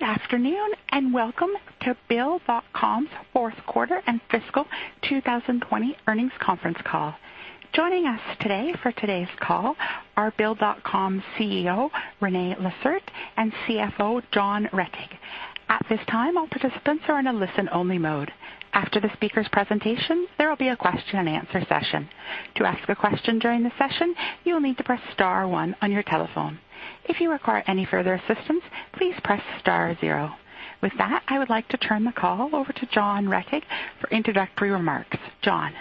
Good afternoon, and welcome to Bill.com's fourth quarter and fiscal 2020 earnings conference call. Joining us today for today's call are Bill.com CEO, René Lacerte, and CFO, John Rettig. At this time, all participants are in a listen-only mode. After the speakers' presentation, there will be a question and answer session. To ask a question during the session, you will need to press star one on your telephone. If you require any further assistance, please press star zero. With that, I would like to turn the call over to John Rettig for introductory remarks. John?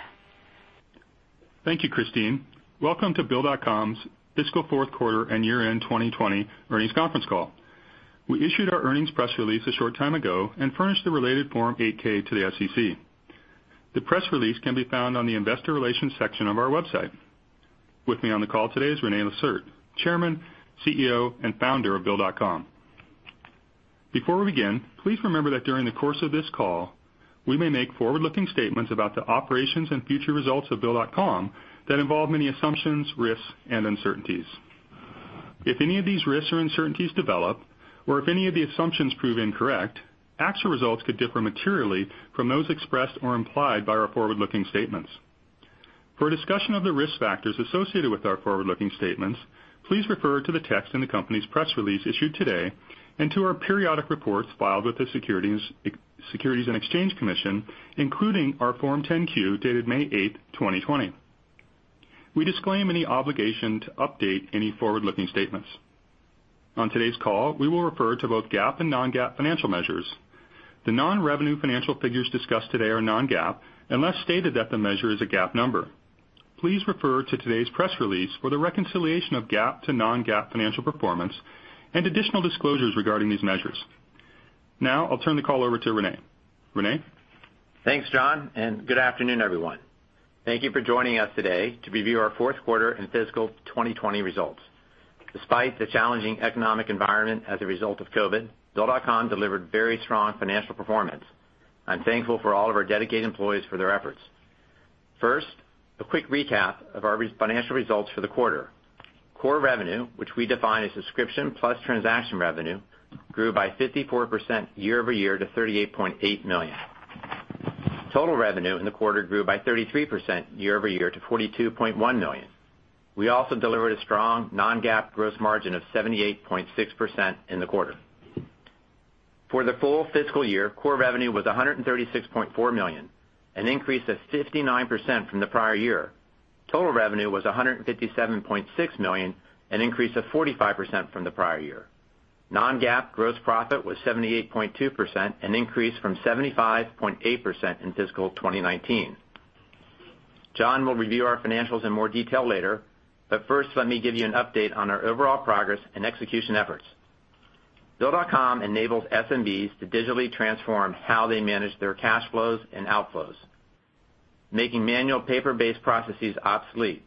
Thank you, Christine. Welcome to Bill.com's fiscal fourth quarter and year-end 2020 earnings conference call. We issued our earnings press release a short time ago and furnished the related Form 8-K to the SEC. The press release can be found on the investor relations section of our website. With me on the call today is René Lacerte, chairman, CEO, and founder of Bill.com. Before we begin, please remember that during the course of this call, we may make forward-looking statements about the operations and future results of Bill.com that involve many assumptions, risks, and uncertainties. If any of these risks or uncertainties develop, or if any of the assumptions prove incorrect, actual results could differ materially from those expressed or implied by our forward-looking statements. For a discussion of the risk factors associated with our forward-looking statements, please refer to the text in the company's press release issued today and to our periodic reports filed with the Securities and Exchange Commission, including our Form 10-Q dated May 8, 2020. We disclaim any obligation to update any forward-looking statements. On today's call, we will refer to both GAAP and non-GAAP financial measures. The non-revenue financial figures discussed today are non-GAAP unless stated that the measure is a GAAP number. Please refer to today's press release for the reconciliation of GAAP to non-GAAP financial performance and additional disclosures regarding these measures. Now, I'll turn the call over to René. René? Thanks, John. Good afternoon, everyone. Thank you for joining us today to review our fourth quarter and fiscal 2020 results. Despite the challenging economic environment as a result of COVID, Bill.com delivered very strong financial performance. I'm thankful for all of our dedicated employees for their efforts. First, a quick recap of our financial results for the quarter. Core revenue, which we define as subscription plus transaction revenue, grew by 54% year-over-year to $38.8 million. Total revenue in the quarter grew by 33% year-over-year to $42.1 million. We also delivered a strong non-GAAP gross margin of 78.6% in the quarter. For the full fiscal year, core revenue was $136.4 million, an increase of 59% from the prior year. Total revenue was $157.6 million, an increase of 45% from the prior year. Non-GAAP gross profit was 78.2%, an increase from 75.8% in fiscal 2019. John will review our financials in more detail later, but first, let me give you an update on our overall progress and execution efforts. Bill.com enables SMBs to digitally transform how they manage their cash flows and outflows, making manual paper-based processes obsolete.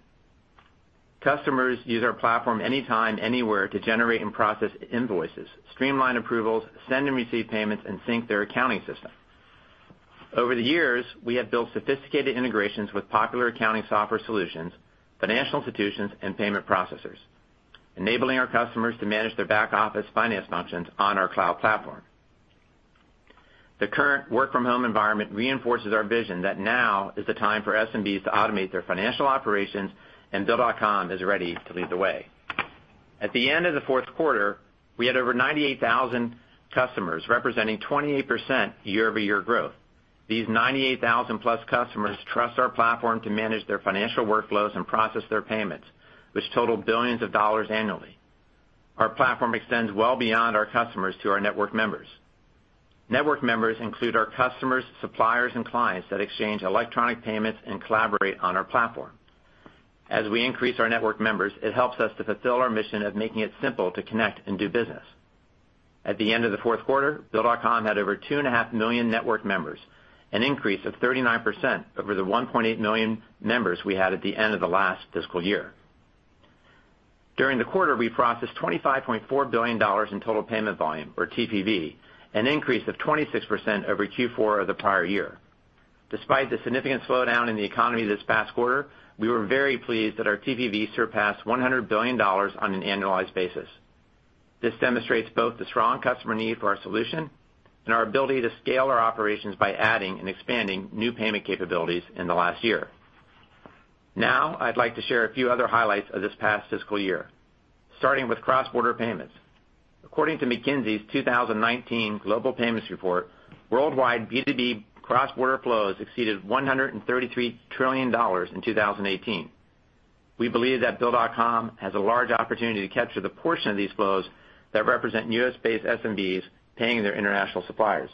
Customers use our platform anytime, anywhere to generate and process invoices, streamline approvals, send and receive payments, and sync their accounting system. Over the years, we have built sophisticated integrations with popular accounting software solutions, financial institutions, and payment processors, enabling our customers to manage their back-office finance functions on our cloud platform. The current work-from-home environment reinforces our vision that now is the time for SMBs to automate their financial operations, and Bill.com is ready to lead the way. At the end of the fourth quarter, we had over 98,000 customers, representing 28% year-over-year growth. These 98,000-plus customers trust our platform to manage their financial workflows and process their payments, which total billions of dollars annually. Our platform extends well beyond our customers to our network members. Network members include our customers, suppliers, and clients that exchange electronic payments and collaborate on our platform. As we increase our network members, it helps us to fulfill our mission of making it simple to connect and do business. At the end of the fourth quarter, Bill.com had over 2.5 million network members, an increase of 39% over the 1.8 million members we had at the end of the last fiscal year. During the quarter, we processed $25.4 billion in total payment volume, or TPV, an increase of 26% over Q4 of the prior year. Despite the significant slowdown in the economy this past quarter, we were very pleased that our TPV surpassed $100 billion on an annualized basis. This demonstrates both the strong customer need for our solution and our ability to scale our operations by adding and expanding new payment capabilities in the last year. I'd like to share a few other highlights of this past fiscal year, starting with cross-border payments. According to McKinsey's 2019 Global Payments Report, worldwide B2B cross-border flows exceeded $133 trillion in 2018. We believe that Bill.com has a large opportunity to capture the portion of these flows that represent U.S.-based SMBs paying their international suppliers.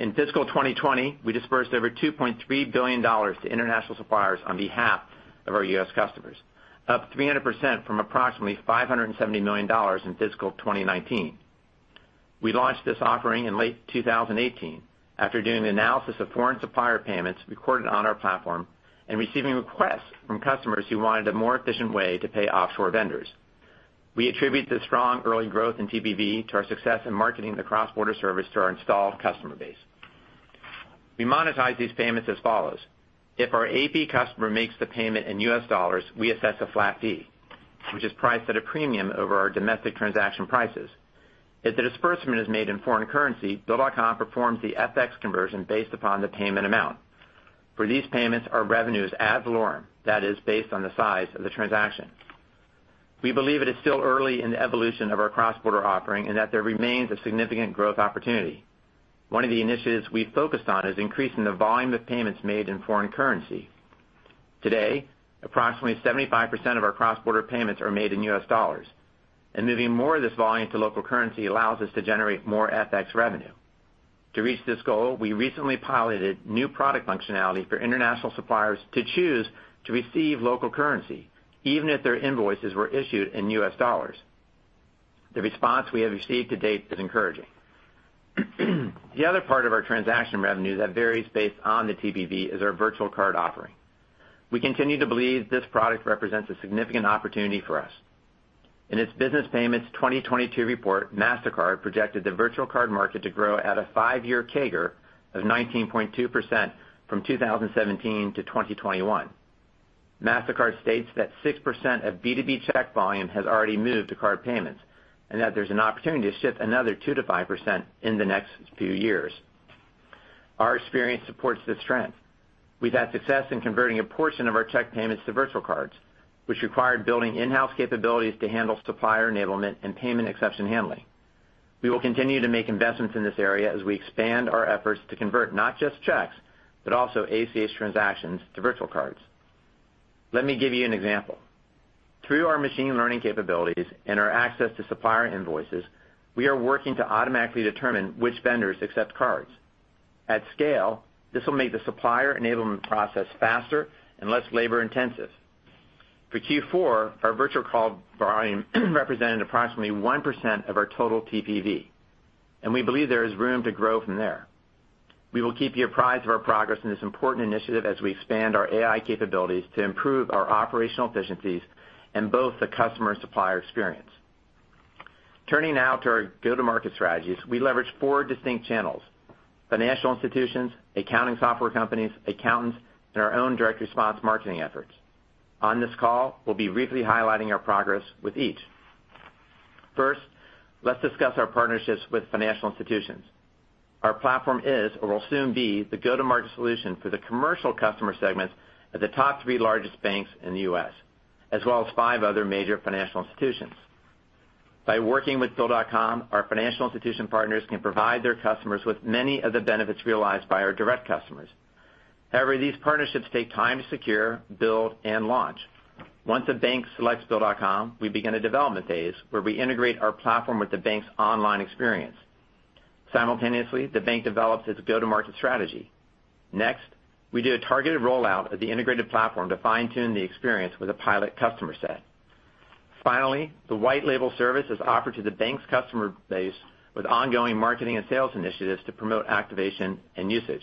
In fiscal 2020, we disbursed over $2.3 billion to international suppliers on behalf of our U.S. customers, up 300% from approximately $570 million in fiscal 2019. We launched this offering in late 2018 after doing an analysis of foreign supplier payments recorded on our platform and receiving requests from customers who wanted a more efficient way to pay offshore vendors. We attribute the strong early growth in TPV to our success in marketing the cross-border service to our installed customer base. We monetize these payments as follows. If our AP customer makes the payment in US dollars, we assess a flat fee, which is priced at a premium over our domestic transaction prices. If the disbursement is made in foreign currency, Bill.com performs the FX conversion based upon the payment amount. For these payments, our revenue is ad valorem, that is, based on the size of the transaction. We believe it is still early in the evolution of our cross-border offering, and that there remains a significant growth opportunity. One of the initiatives we focused on is increasing the volume of payments made in foreign currency. Today, approximately 75% of our cross-border payments are made in USD, and moving more of this volume to local currency allows us to generate more FX revenue. To reach this goal, we recently piloted new product functionality for international suppliers to choose to receive local currency, even if their invoices were issued in USD. The response we have received to date is encouraging. The other part of our transaction revenue that varies based on the TPV is our virtual card offering. We continue to believe this product represents a significant opportunity for us. In its Business Payments 2022 report, Mastercard projected the virtual card market to grow at a five-year CAGR of 19.2% from 2017 to 2021. Mastercard states that 6% of B2B check volume has already moved to card payments, and that there's an opportunity to shift another 2%-5% in the next few years. Our experience supports this trend. We've had success in converting a portion of our check payments to virtual cards, which required building in-house capabilities to handle supplier enablement and payment exception handling. We will continue to make investments in this area as we expand our efforts to convert not just checks, but also ACH transactions to virtual cards. Let me give you an example. Through our machine learning capabilities and our access to supplier invoices, we are working to automatically determine which vendors accept cards. At scale, this will make the supplier enablement process faster and less labor-intensive. For Q4, our virtual card volume represented approximately 1% of our total TPV, and we believe there is room to grow from there. We will keep you apprised of our progress in this important initiative as we expand our AI capabilities to improve our operational efficiencies and both the customer supplier experience. Turning now to our go-to-market strategies. We leverage four distinct channels, financial institutions, accounting software companies, accountants, and our own direct response marketing efforts. On this call, we'll be briefly highlighting our progress with each. First, let's discuss our partnerships with financial institutions. Our platform is or will soon be the go-to-market solution for the commercial customer segments at the top three largest banks in the U.S., as well as five other major financial institutions. By working with Bill.com, our financial institution partners can provide their customers with many of the benefits realized by our direct customers. However, these partnerships take time to secure, build, and launch. Once a bank selects Bill.com, we begin a development phase where we integrate our platform with the bank's online experience. Simultaneously, the bank develops its go-to-market strategy. We do a targeted rollout of the integrated platform to fine-tune the experience with a pilot customer set. The white label service is offered to the bank's customer base with ongoing marketing and sales initiatives to promote activation and usage.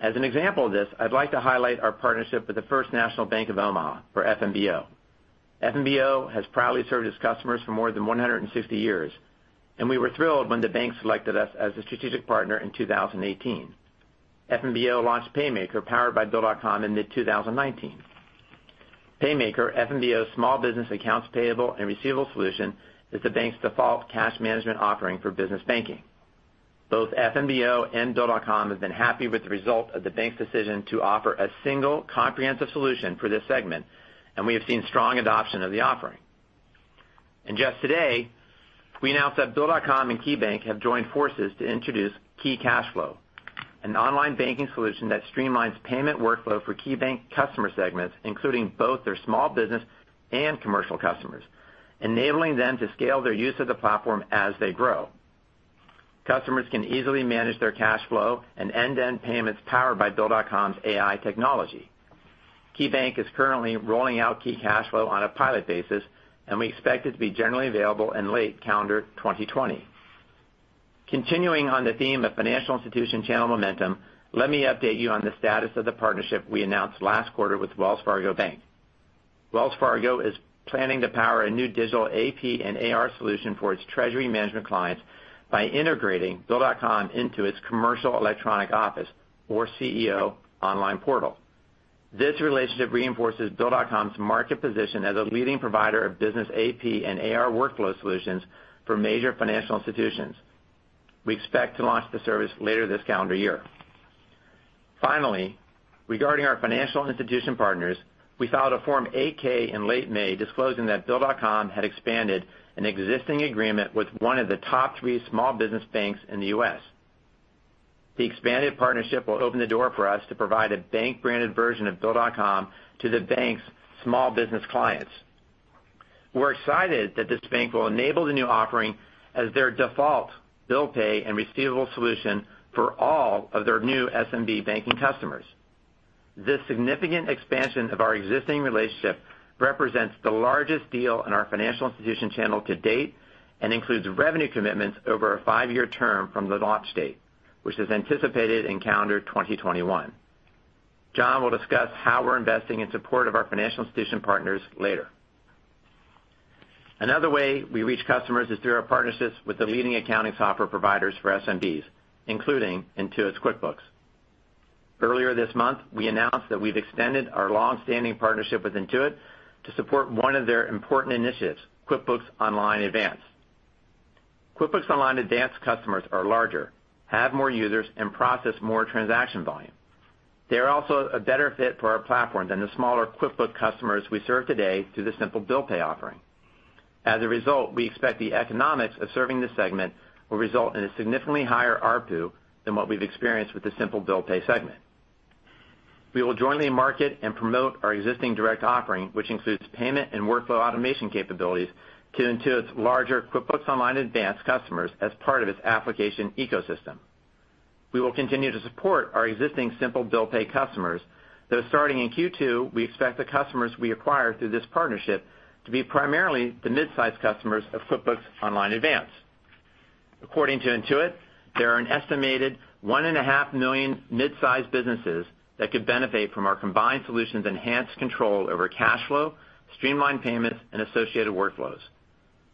As an example of this, I'd like to highlight our partnership with the First National Bank of Omaha, or FNBO. FNBO has proudly served its customers for more than 160 years. We were thrilled when the bank selected us as a strategic partner in 2018. FNBO launched PayMaker, powered by Bill.com, in mid-2019. PayMaker, FNBO's small business accounts payable and receivable solution, is the bank's default cash management offering for business banking. Both FNBO and Bill.com have been happy with the result of the bank's decision to offer a single comprehensive solution for this segment, and we have seen strong adoption of the offering. Just today, we announced that Bill.com and KeyBank have joined forces to introduce Key CashFlow, an online banking solution that streamlines payment workflow for KeyBank customer segments, including both their small business and commercial customers, enabling them to scale their use of the platform as they grow. Customers can easily manage their cash flow and end-to-end payments powered by Bill.com's AI technology. KeyBank is currently rolling out Key CashFlow on a pilot basis, and we expect it to be generally available in late calendar 2020. Continuing on the theme of financial institution channel momentum, let me update you on the status of the partnership we announced last quarter with Wells Fargo Bank. Wells Fargo is planning to power a new digital AP and AR solution for its treasury management clients by integrating Bill.com into its Commercial Electronic Office or CEO online portal. This relationship reinforces Bill.com's market position as a leading provider of business AP and AR workflow solutions for major financial institutions. We expect to launch the service later this calendar year. Finally, regarding our financial institution partners, we filed a Form 8-K in late May disclosing that Bill.com had expanded an existing agreement with one of the top three small business banks in the U.S. The expanded partnership will open the door for us to provide a bank-branded version of Bill.com to the bank's small business clients. We're excited that this bank will enable the new offering as their default bill pay and receivable solution for all of their new SMB banking customers. This significant expansion of our existing relationship represents the largest deal in our financial institution channel to date and includes revenue commitments over a five-year term from the launch date, which is anticipated in calendar 2021. John will discuss how we're investing in support of our financial institution partners later. Another way we reach customers is through our partnerships with the leading accounting software providers for SMBs, including Intuit's QuickBooks. Earlier this month, we announced that we've extended our longstanding partnership with Intuit to support one of their important initiatives, QuickBooks Online Advanced. QuickBooks Online Advanced customers are larger, have more users, and process more transaction volume. They're also a better fit for our platform than the smaller QuickBooks customers we serve today through the Simple Bill Pay offering. As a result, we expect the economics of serving the segment will result in a significantly higher ARPU than what we've experienced with the Simple Bill Pay segment. We will jointly market and promote our existing direct offering, which includes payment and workflow automation capabilities to Intuit's larger QuickBooks Online Advanced customers as part of its application ecosystem. We will continue to support our existing Simple Bill Pay customers, though starting in Q2, we expect the customers we acquire through this partnership to be primarily the mid-size customers of QuickBooks Online Advanced. According to Intuit, there are an estimated 1.5 million mid-size businesses that could benefit from our combined solutions' enhanced control over cash flow, streamlined payments, and associated workflows.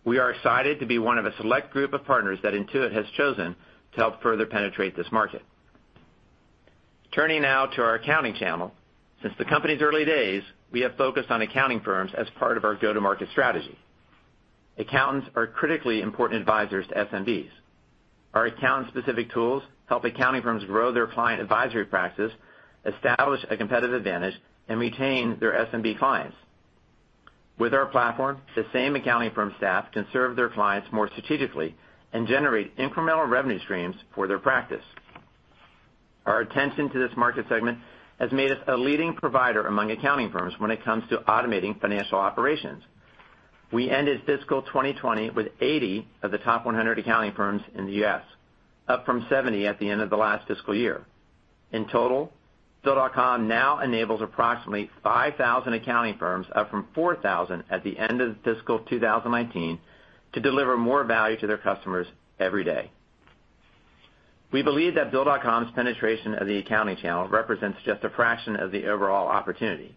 We are excited to be one of a select group of partners that Intuit has chosen to help further penetrate this market. Turning now to our accounting channel. Since the company's early days, we have focused on accounting firms as part of our go-to-market strategy. Accountants are critically important advisors to SMBs. Our accountant-specific tools help accounting firms grow their client advisory practice, establish a competitive advantage, and retain their SMB clients. With our platform, the same accounting firm staff can serve their clients more strategically and generate incremental revenue streams for their practice. Our attention to this market segment has made us a leading provider among accounting firms when it comes to automating financial operations. We ended fiscal 2020 with 80 of the top 100 accounting firms in the U.S., up from 70 at the end of the last fiscal year. In total, Bill.com now enables approximately 5,000 accounting firms, up from 4,000 at the end of fiscal 2019, to deliver more value to their customers every day. We believe that Bill.com's penetration of the accounting channel represents just a fraction of the overall opportunity.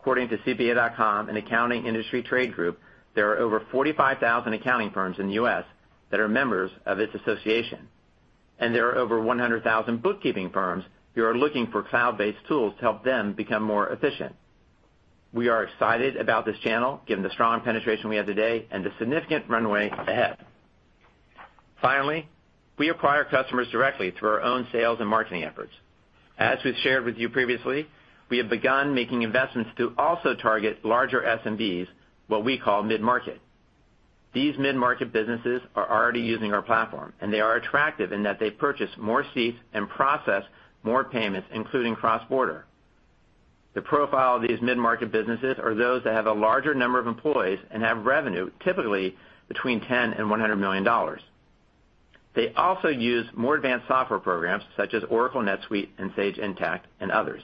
According to CPA.com, an accounting industry trade group, there are over 45,000 accounting firms in the U.S. that are members of its association, and there are over 100,000 bookkeeping firms who are looking for cloud-based tools to help them become more efficient. We are excited about this channel, given the strong penetration we have today and the significant runway ahead. Finally, we acquire customers directly through our own sales and marketing efforts. As we've shared with you previously, we have begun making investments to also target larger SMBs, what we call mid-market. These mid-market businesses are already using our platform, and they are attractive in that they purchase more seats and process more payments, including cross-border. The profile of these mid-market businesses are those that have a larger number of employees and have revenue, typically between $10 million and $100 million. They also use more advanced software programs such as Oracle NetSuite and Sage Intacct, and others.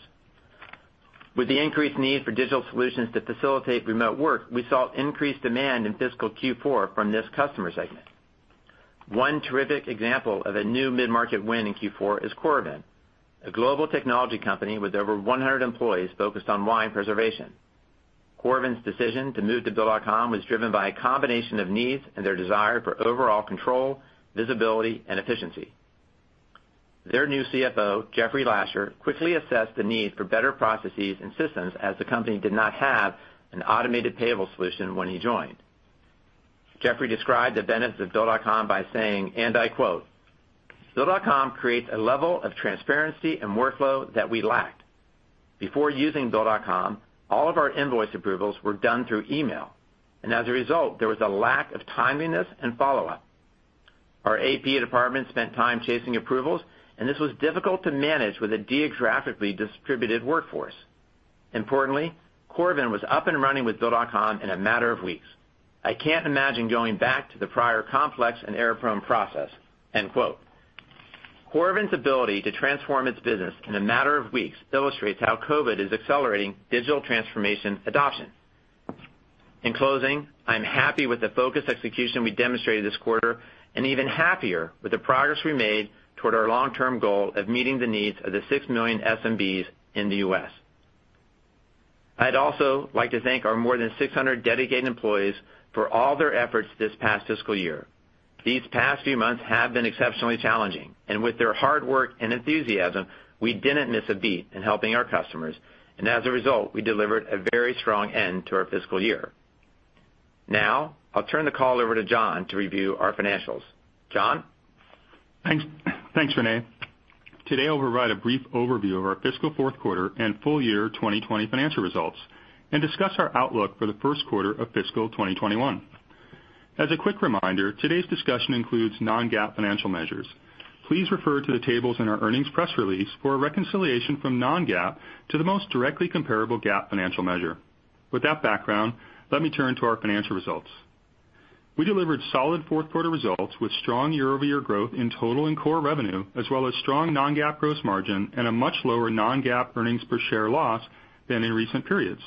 With the increased need for digital solutions to facilitate remote work, we saw increased demand in fiscal Q4 from this customer segment. One terrific example of a new mid-market win in Q4 is Coravin, a global technology company with over 100 employees focused on wine preservation. Coravin's decision to move to Bill.com was driven by a combination of needs and their desire for overall control, visibility, and efficiency. Their new CFO, Jeffrey Lasher, quickly assessed the need for better processes and systems as the company did not have an automated payable solution when he joined. Jeffrey described the benefits of Bill.com by saying, and I quote, "Bill.com creates a level of transparency and workflow that we lacked. Before using Bill.com, all of our invoice approvals were done through email, and as a result, there was a lack of timeliness and follow-up. Our AP department spent time chasing approvals, and this was difficult to manage with a geographically distributed workforce. Importantly, Coravin was up and running with Bill.com in a matter of weeks. I can't imagine going back to the prior complex and error-prone process." Coravin's ability to transform its business in a matter of weeks illustrates how COVID is accelerating digital transformation adoption. In closing, I'm happy with the focused execution we demonstrated this quarter and even happier with the progress we made toward our long-term goal of meeting the needs of the six million SMBs in the U.S. I'd also like to thank our more than 600 dedicated employees for all their efforts this past fiscal year. These past few months have been exceptionally challenging, and with their hard work and enthusiasm, we didn't miss a beat in helping our customers, and as a result, we delivered a very strong end to our fiscal year. Now, I'll turn the call over to John to review our financials. John? Thanks, René. Today, I'll provide a brief overview of our fiscal fourth quarter and full year 2020 financial results and discuss our outlook for the first quarter of fiscal 2021. As a quick reminder, today's discussion includes non-GAAP financial measures. Please refer to the tables in our earnings press release for a reconciliation from non-GAAP to the most directly comparable GAAP financial measure. With that background, let me turn to our financial results. We delivered solid fourth-quarter results with strong year-over-year growth in total and core revenue, as well as strong non-GAAP gross margin and a much lower non-GAAP earnings per share loss than in recent periods.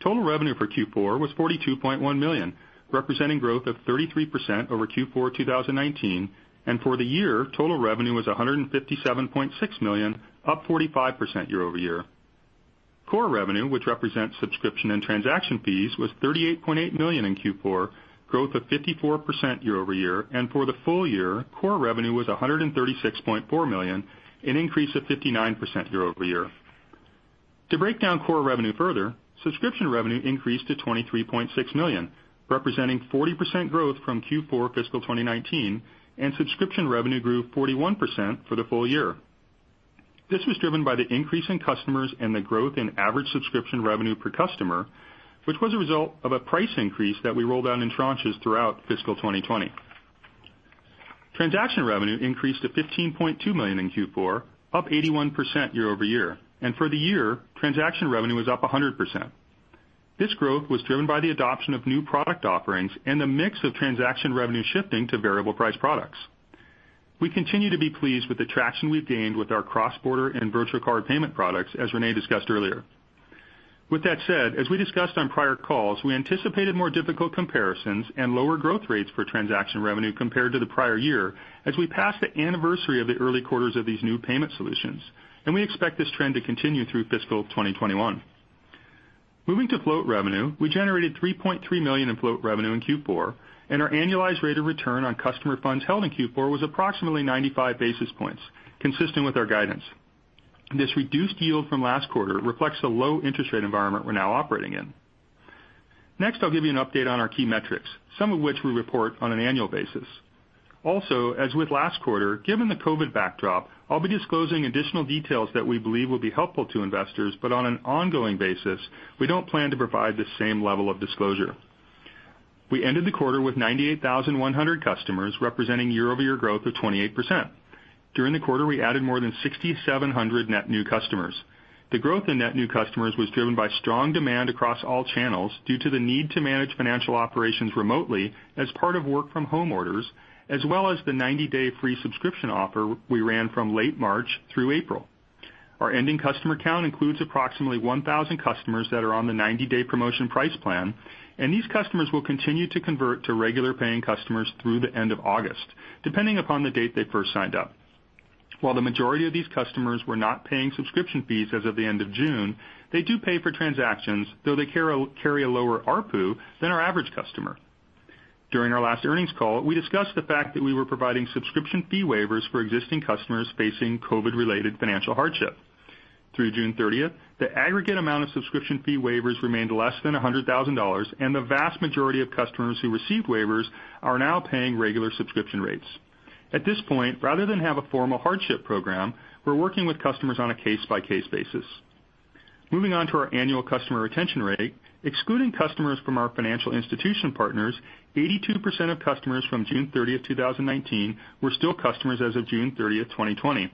Total revenue for Q4 was $42.1 million, representing growth of 33% over Q4 2019, and for the year, total revenue was $157.6 million, up 45% year-over-year. Core revenue, which represents subscription and transaction fees, was $38.8 million in Q4, growth of 54% year-over-year. For the full year, core revenue was $136.4 million, an increase of 59% year-over-year. To break down core revenue further, subscription revenue increased to $23.6 million, representing 40% growth from Q4 fiscal 2019, and subscription revenue grew 41% for the full year. This was driven by the increase in customers and the growth in average subscription revenue per customer, which was a result of a price increase that we rolled out in tranches throughout fiscal 2020. Transaction revenue increased to $15.2 million in Q4, up 81% year-over-year, and for the year, transaction revenue was up 100%. This growth was driven by the adoption of new product offerings and the mix of transaction revenue shifting to variable price products. We continue to be pleased with the traction we've gained with our cross-border and virtual card payment products, as René discussed earlier. As we discussed on prior calls, we anticipated more difficult comparisons and lower growth rates for transaction revenue compared to the prior year as we pass the anniversary of the early quarters of these new payment solutions, and we expect this trend to continue through fiscal 2021. Moving to float revenue, we generated $3.3 million in float revenue in Q4, and our annualized rate of return on customer funds held in Q4 was approximately 95 basis points, consistent with our guidance. This reduced yield from last quarter reflects the low interest rate environment we're now operating in. Next, I'll give you an update on our key metrics, some of which we report on an annual basis. Also, as with last quarter, given the COVID backdrop, I'll be disclosing additional details that we believe will be helpful to investors, but on an ongoing basis, we don't plan to provide the same level of disclosure. We ended the quarter with 98,100 customers, representing year-over-year growth of 28%. During the quarter, we added more than 6,700 net new customers. The growth in net new customers was driven by strong demand across all channels due to the need to manage financial operations remotely as part of work from home orders, as well as the 90-day free subscription offer we ran from late March through April. Our ending customer count includes approximately 1,000 customers that are on the 90-day promotion price plan, and these customers will continue to convert to regular paying customers through the end of August, depending upon the date they first signed up. While the majority of these customers were not paying subscription fees as of the end of June, they do pay for transactions, though they carry a lower ARPU than our average customer. During our last earnings call, we discussed the fact that we were providing subscription fee waivers for existing customers facing COVID-related financial hardship. Through June 30th, the aggregate amount of subscription fee waivers remained less than $100,000, and the vast majority of customers who received waivers are now paying regular subscription rates. At this point, rather than have a formal hardship program, we're working with customers on a case-by-case basis. Moving on to our annual customer retention rate, excluding customers from our financial institution partners, 82% of customers from June 30th, 2019 were still customers as of June 30th, 2020.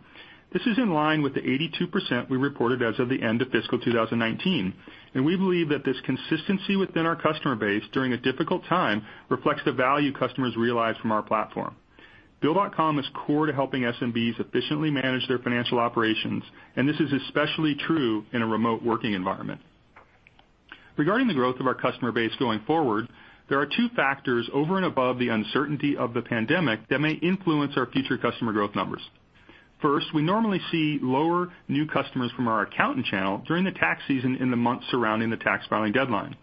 This is in line with the 82% we reported as of the end of fiscal 2019, and we believe that this consistency within our customer base during a difficult time reflects the value customers realize from our platform. Bill.com is core to helping SMBs efficiently manage their financial operations, and this is especially true in a remote working environment. Regarding the growth of our customer base going forward, there are two factors over and above the uncertainty of the pandemic that may influence our future customer growth numbers. First, we normally see lower new customers from our accountant channel during the tax season in the months surrounding the tax filing deadline.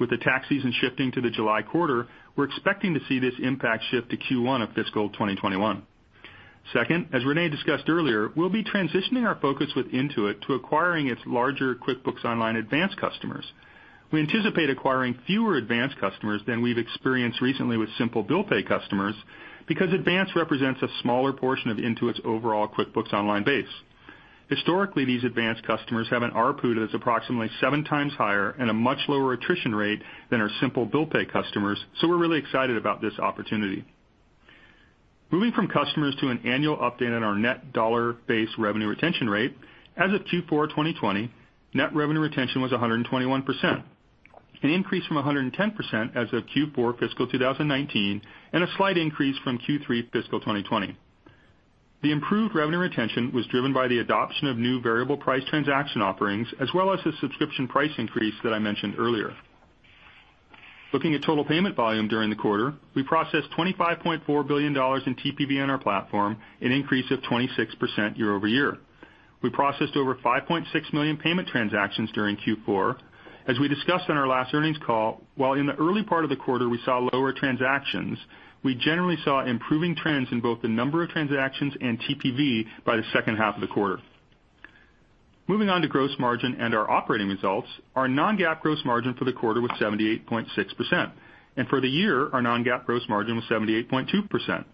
With the tax season shifting to the July quarter, we're expecting to see this impact shift to Q1 of fiscal 2021. Second, as René discussed earlier, we'll be transitioning our focus with Intuit to acquiring its larger QuickBooks Online Advanced customers. We anticipate acquiring fewer Advanced customers than we've experienced recently with Simple Bill Pay customers because Advanced represents a smaller portion of Intuit's overall QuickBooks Online base. Historically, these Advanced customers have an ARPU that's approximately seven times higher and a much lower attrition rate than our Simple Bill Pay customers, so we're really excited about this opportunity. Moving from customers to an annual update on our net dollar base revenue retention rate, as of Q4 2020, net revenue retention was 121%, an increase from 110% as of Q4 fiscal 2019 and a slight increase from Q3 fiscal 2020. The improved revenue retention was driven by the adoption of new variable price transaction offerings, as well as the subscription price increase that I mentioned earlier. Looking at total payment volume during the quarter, we processed $25.4 billion in TPV on our platform, an increase of 26% year-over-year. We processed over 5.6 million payment transactions during Q4. As we discussed on our last earnings call, while in the early part of the quarter we saw lower transactions, we generally saw improving trends in both the number of transactions and TPV by the second half of the quarter. Moving on to gross margin and our operating results, our non-GAAP gross margin for the quarter was 78.6%, and for the year, our non-GAAP gross margin was 78.2%.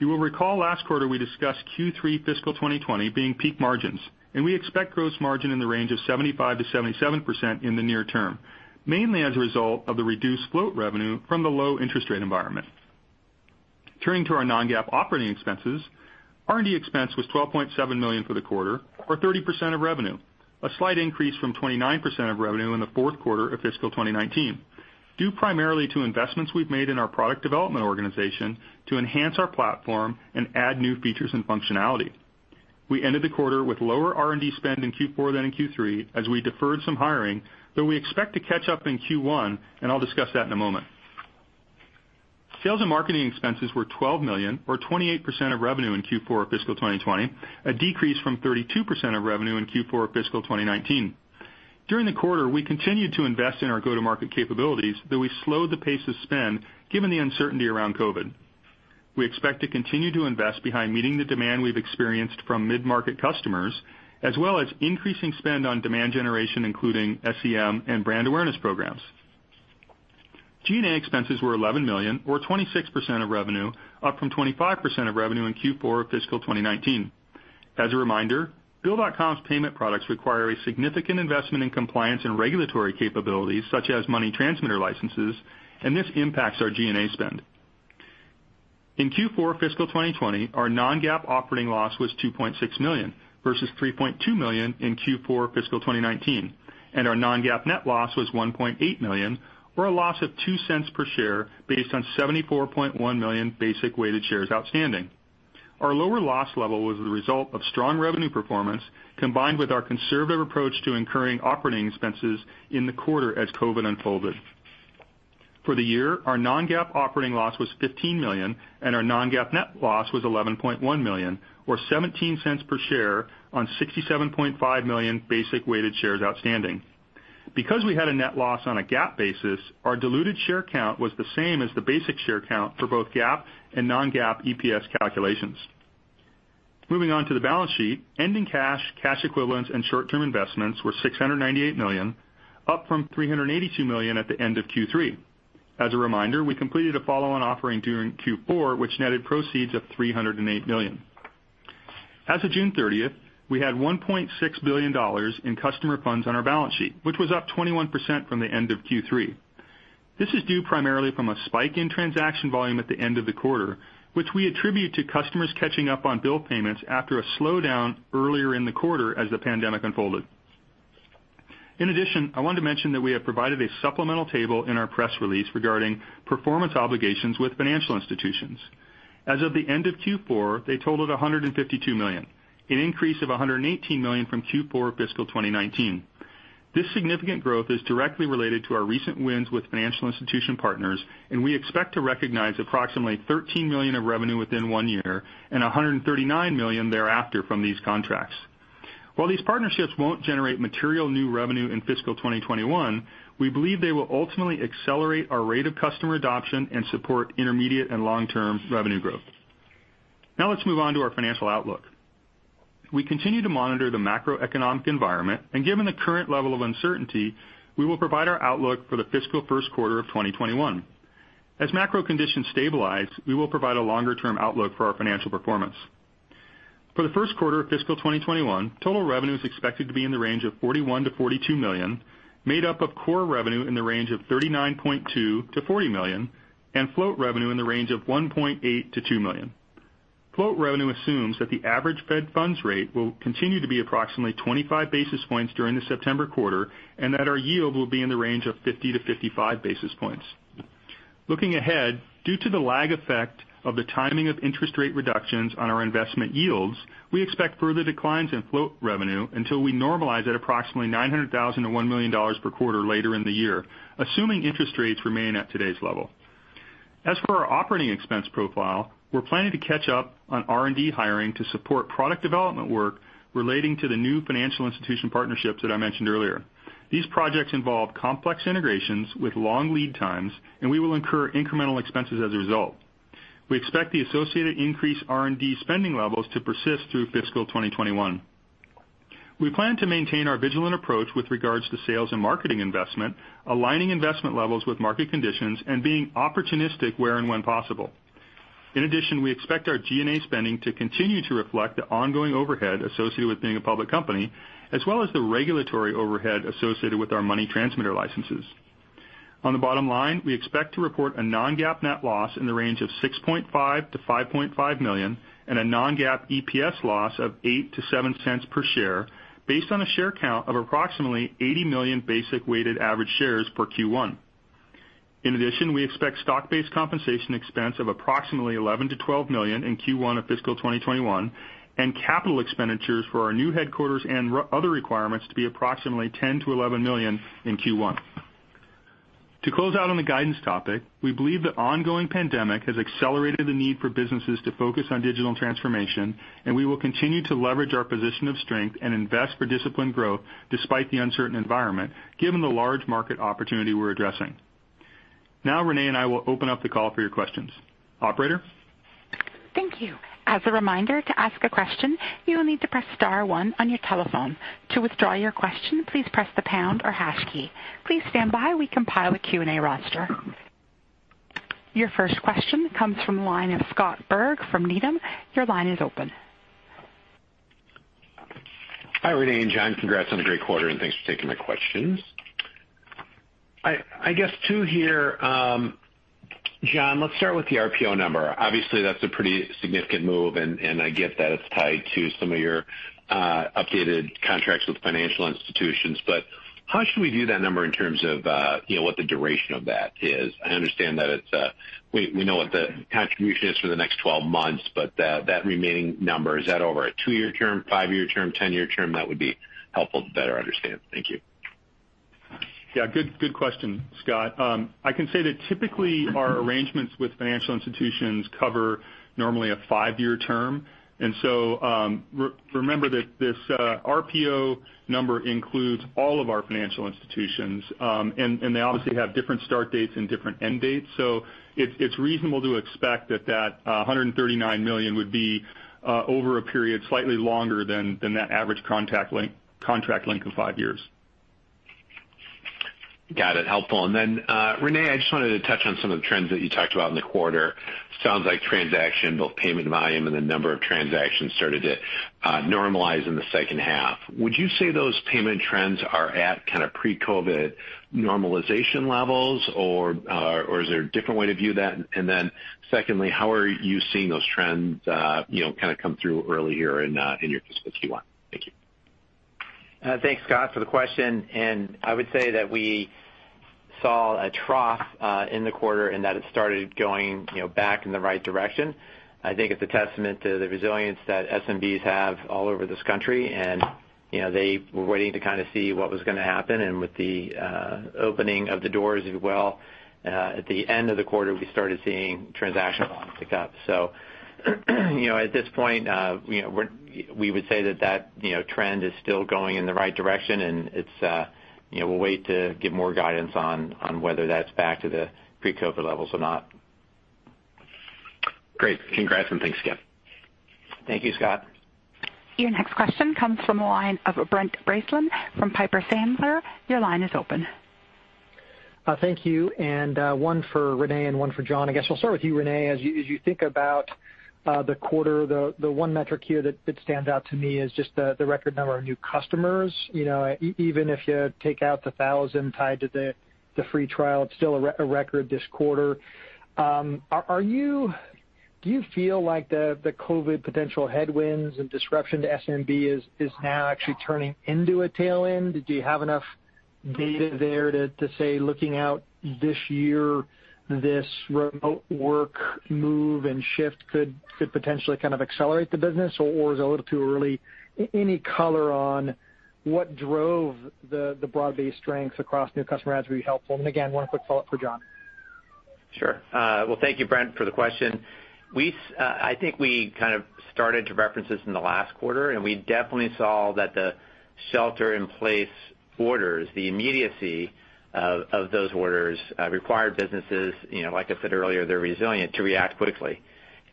You will recall last quarter we discussed Q3 fiscal 2020 being peak margins, and we expect gross margin in the range of 75%-77% in the near term, mainly as a result of the reduced float revenue from the low interest rate environment. Turning to our non-GAAP operating expenses, R&D expense was $12.7 million for the quarter, or 30% of revenue, a slight increase from 29% of revenue in the fourth quarter of fiscal 2019, due primarily to investments we've made in our product development organization to enhance our platform and add new features and functionality. We ended the quarter with lower R&D spend in Q4 than in Q3 as we deferred some hiring, though we expect to catch up in Q1, and I'll discuss that in a moment. Sales and marketing expenses were $12 million, or 28% of revenue in Q4 of fiscal 2020, a decrease from 32% of revenue in Q4 of fiscal 2019. During the quarter, we continued to invest in our go-to-market capabilities, though we slowed the pace of spend given the uncertainty around COVID. We expect to continue to invest behind meeting the demand we've experienced from mid-market customers, as well as increasing spend on demand generation, including SEM and brand awareness programs. G&A expenses were $11 million, or 26% of revenue, up from 25% of revenue in Q4 of fiscal 2019. As a reminder, Bill.com's payment products require a significant investment in compliance and regulatory capabilities such as money transmitter licenses, and this impacts our G&A spend. In Q4 fiscal 2020, our non-GAAP operating loss was $2.6 million versus $3.2 million in Q4 fiscal 2019, and our non-GAAP net loss was $1.8 million, or a loss of $0.02 per share based on 74.1 million basic weighted shares outstanding. Our lower loss level was the result of strong revenue performance combined with our conservative approach to incurring operating expenses in the quarter as COVID unfolded. For the year, our non-GAAP operating loss was $15 million, and our non-GAAP net loss was $11.1 million, or $0.17 per share on 67.5 million basic weighted shares outstanding. We had a net loss on a GAAP basis, our diluted share count was the same as the basic share count for both GAAP and non-GAAP EPS calculations. Moving on to the balance sheet. Ending cash equivalents, and short-term investments were $698 million, up from $382 million at the end of Q3. As a reminder, we completed a follow-on offering during Q4, which netted proceeds of $308 million. As of June 30th, we had $1.6 billion in customer funds on our balance sheet, which was up 21% from the end of Q3. This is due primarily from a spike in transaction volume at the end of the quarter, which we attribute to customers catching up on bill payments after a slowdown earlier in the quarter as the pandemic unfolded. In addition, I wanted to mention that we have provided a supplemental table in our press release regarding performance obligations with financial institutions. As of the end of Q4, they totaled $152 million, an increase of $118 million from Q4 FY 2019. This significant growth is directly related to our recent wins with financial institution partners, and we expect to recognize approximately $13 million of revenue within one year and $139 million thereafter from these contracts. While these partnerships won't generate material new revenue in FY 2021, we believe they will ultimately accelerate our rate of customer adoption and support intermediate and long-term revenue growth. Now let's move on to our financial outlook. We continue to monitor the macroeconomic environment, and given the current level of uncertainty, we will provide our outlook for the fiscal first quarter of 2021. As macro conditions stabilize, we will provide a longer-term outlook for our financial performance. For the first quarter of fiscal 2021, total revenue is expected to be in the range of $41 million-$42 million, made up of core revenue in the range of $39.2 million-$40 million and float revenue in the range of $1.8 million-$2 million. Float revenue assumes that the average fed funds rate will continue to be approximately 25 basis points during the September quarter and that our yield will be in the range of 50-55 basis points. Looking ahead, due to the lag effect of the timing of interest rate reductions on our investment yields, we expect further declines in float revenue until we normalize at approximately $900,000-$1 million per quarter later in the year, assuming interest rates remain at today's level. As for our operating expense profile, we're planning to catch up on R&D hiring to support product development work relating to the new financial institution partnerships that I mentioned earlier. These projects involve complex integrations with long lead times, and we will incur incremental expenses as a result. We expect the associated increased R&D spending levels to persist through fiscal 2021. We plan to maintain our vigilant approach with regards to sales and marketing investment, aligning investment levels with market conditions and being opportunistic where and when possible. In addition, we expect our G&A spending to continue to reflect the ongoing overhead associated with being a public company, as well as the regulatory overhead associated with our money transmitter licenses. On the bottom line, we expect to report a non-GAAP net loss in the range of $6.5 million-$5.5 million and a non-GAAP EPS loss of $0.08-$0.07 per share based on a share count of approximately 80 million basic weighted average shares per Q1. In addition, we expect stock-based compensation expense of approximately $11 million-$12 million in Q1 of fiscal 2021, and capital expenditures for our new headquarters and other requirements to be approximately $10 million-$11 million in Q1. To close out on the guidance topic, we believe the ongoing pandemic has accelerated the need for businesses to focus on digital transformation, and we will continue to leverage our position of strength and invest for disciplined growth despite the uncertain environment, given the large market opportunity we're addressing. Now René and I will open up the call for your questions. Operator? Thank you. As a reminder, to ask a question, you will need to press star one on your telephone. To withdraw your question, please press the pound or hash key. Please stand by. We compile a Q&A roster. Your first question comes from the line of Scott Berg from Needham. Your line is open. Hi, René and John. Congrats on a great quarter, and thanks for taking my questions. I guess two here. John, let's start with the RPO number. Obviously, that's a pretty significant move, and I get that it's tied to some of your updated contracts with financial institutions, but how should we view that number in terms of what the duration of that is? I understand that we know what the contribution is for the next 12 months, but that remaining number, is that over a two-year term, five-year term, 10-year term? That would be helpful to better understand. Thank you. Yeah. Good question, Scott. I can say that typically our arrangements with financial institutions cover normally a five-year term. Remember that this RPO number includes all of our financial institutions. They obviously have different start dates and different end dates. It's reasonable to expect that that $139 million would be over a period slightly longer than that average contract length of five years. Got it. Helpful. René, I just wanted to touch on some of the trends that you talked about in the quarter. Sounds like transaction, both payment volume and the number of transactions started to normalize in the second half. Would you say those payment trends are at kind of pre-COVID normalization levels? Is there a different way to view that? Secondly, how are you seeing those trends come through early here in your Q1? Thank you. Thanks, Scott, for the question. I would say that we saw a trough in the quarter and that it started going back in the right direction. I think it's a testament to the resilience that SMBs have all over this country. They were waiting to kind of see what was going to happen. With the opening of the doors as well, at the end of the quarter, we started seeing transaction volume pick up. At this point we would say that trend is still going in the right direction, and we'll wait to give more guidance on whether that's back to the pre-COVID levels or not. Great. Congrats and thanks again. Thank you, Scott. Your next question comes from the line of Brent Bracelin from Piper Sandler. Your line is open. Thank you. One for Rene and one for John. I guess we'll start with you, Rene. You think about the quarter, the one metric here that stands out to me is just the record number of new customers. Even if you take out the 1,000 tied to the free trial, it's still a record this quarter. Do you feel like the COVID potential headwinds and disruption to SMB is now actually turning into a tailwind? Do you have enough data there to say, looking out this year, this remote work move and shift could potentially kind of accelerate the business? Is it a little too early? Any color on what drove the broad-based strengths across new customer adds would be helpful. Again, one quick follow-up for John. Well, thank you, Brent, for the question. We kind of started to reference this in the last quarter, we definitely saw that the shelter-in-place orders, the immediacy of those orders, required businesses, like I said earlier, they're resilient to react quickly.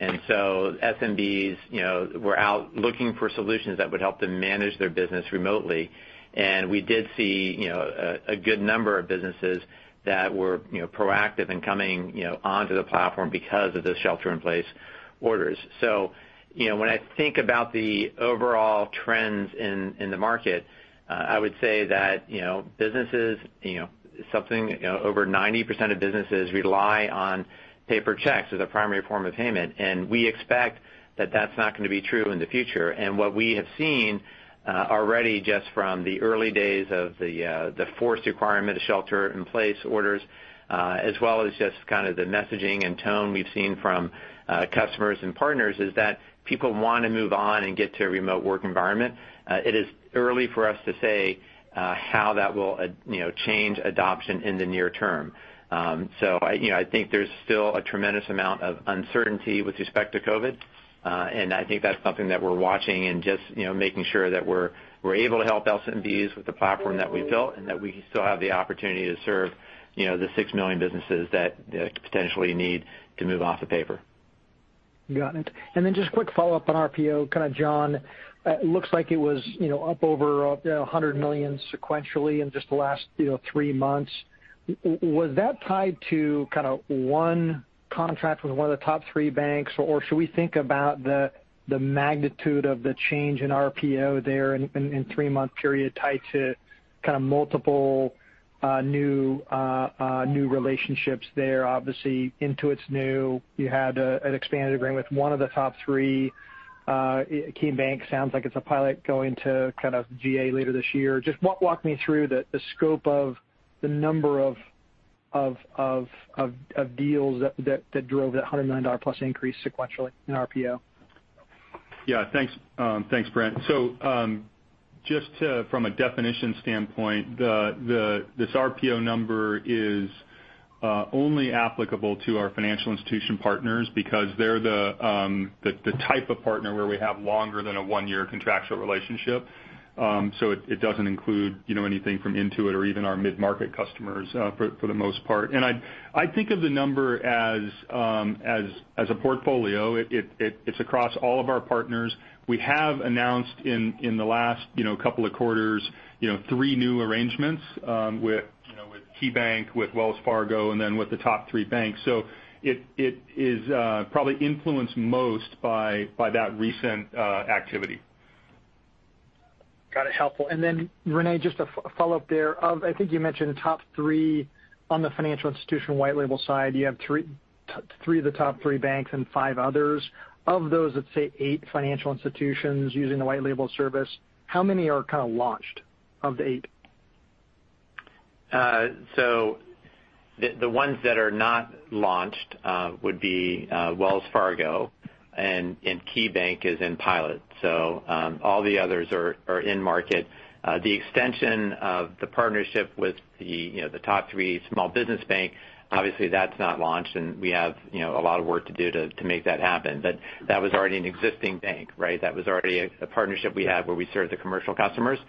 SMBs were out looking for solutions that would help them manage their business remotely. We did see a good number of businesses that were proactive in coming onto the platform because of the shelter-in-place orders. When I think about the overall trends in the market, I would say that over 90% of businesses rely on paper checks as a primary form of payment. We expect that that's not going to be true in the future. What we have seen already just from the early days of the forced requirement of shelter-in-place orders, as well as just kind of the messaging and tone we've seen from customers and partners, is that people want to move on and get to a remote work environment. It is early for us to say how that will change adoption in the near term. I think there's still a tremendous amount of uncertainty with respect to COVID, and I think that's something that we're watching and just making sure that we're able to help SMBs with the platform that we've built and that we still have the opportunity to serve the six million businesses that potentially need to move off of paper. Got it. Just a quick follow-up on RPO, kind of John. It looks like it was up over $100 million sequentially in just the last three months. Was that tied to kind of one contract with one of the top three banks? Or should we think about the magnitude of the change in RPO there in three-month period tied to kind of multiple new relationships there? Obviously, Intuit's new. You had an expanded agreement with one of the top three. KeyBank sounds like it's a pilot going to kind of GA later this year. Just walk me through the scope of the number of deals that drove that $100 million plus increase sequentially in RPO. Thanks, Brent. Just from a definition standpoint, this RPO number is only applicable to our financial institution partners because they're the type of partner where we have longer than a one-year contractual relationship. It doesn't include anything from Intuit or even our mid-market customers for the most part. I think of the number as a portfolio. It's across all of our partners. We have announced in the last couple of quarters three new arrangements with KeyBank, with Wells Fargo, and then with the top three banks. It is probably influenced most by that recent activity. Got it. Helpful. René, just a follow-up there. I think you mentioned top three on the financial institution white label side. You have three of the top three banks and five others. Of those, let's say, eight financial institutions using the white label service, how many are kind of launched of the eight? The ones that are not launched would be Wells Fargo, and KeyBank is in pilot. All the others are in market. The extension of the partnership with the top three small business bank, obviously that's not launched, and we have a lot of work to do to make that happen. That was already an existing bank, right? That was already a partnership we had where we served the commercial customers.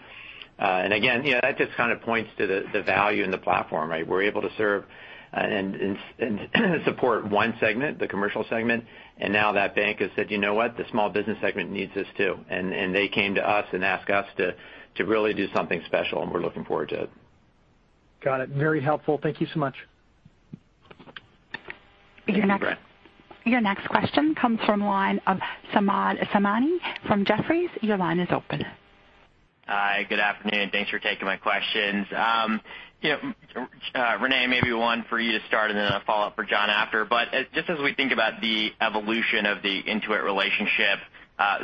Again, that just kind of points to the value in the platform, right? We're able to serve and support one segment, the commercial segment, and now that bank has said, "You know what? The small business segment needs this too." They came to us and asked us to really do something special, and we're looking forward to it. Got it. Very helpful. Thank you so much. Thank you, Brent. Your next question comes from line of Samad Samana from Jefferies. Your line is open. Hi, good afternoon. Thanks for taking my questions. René, maybe one for you to start, and then a follow-up for John after. Just as we think about the evolution of the Intuit relationship,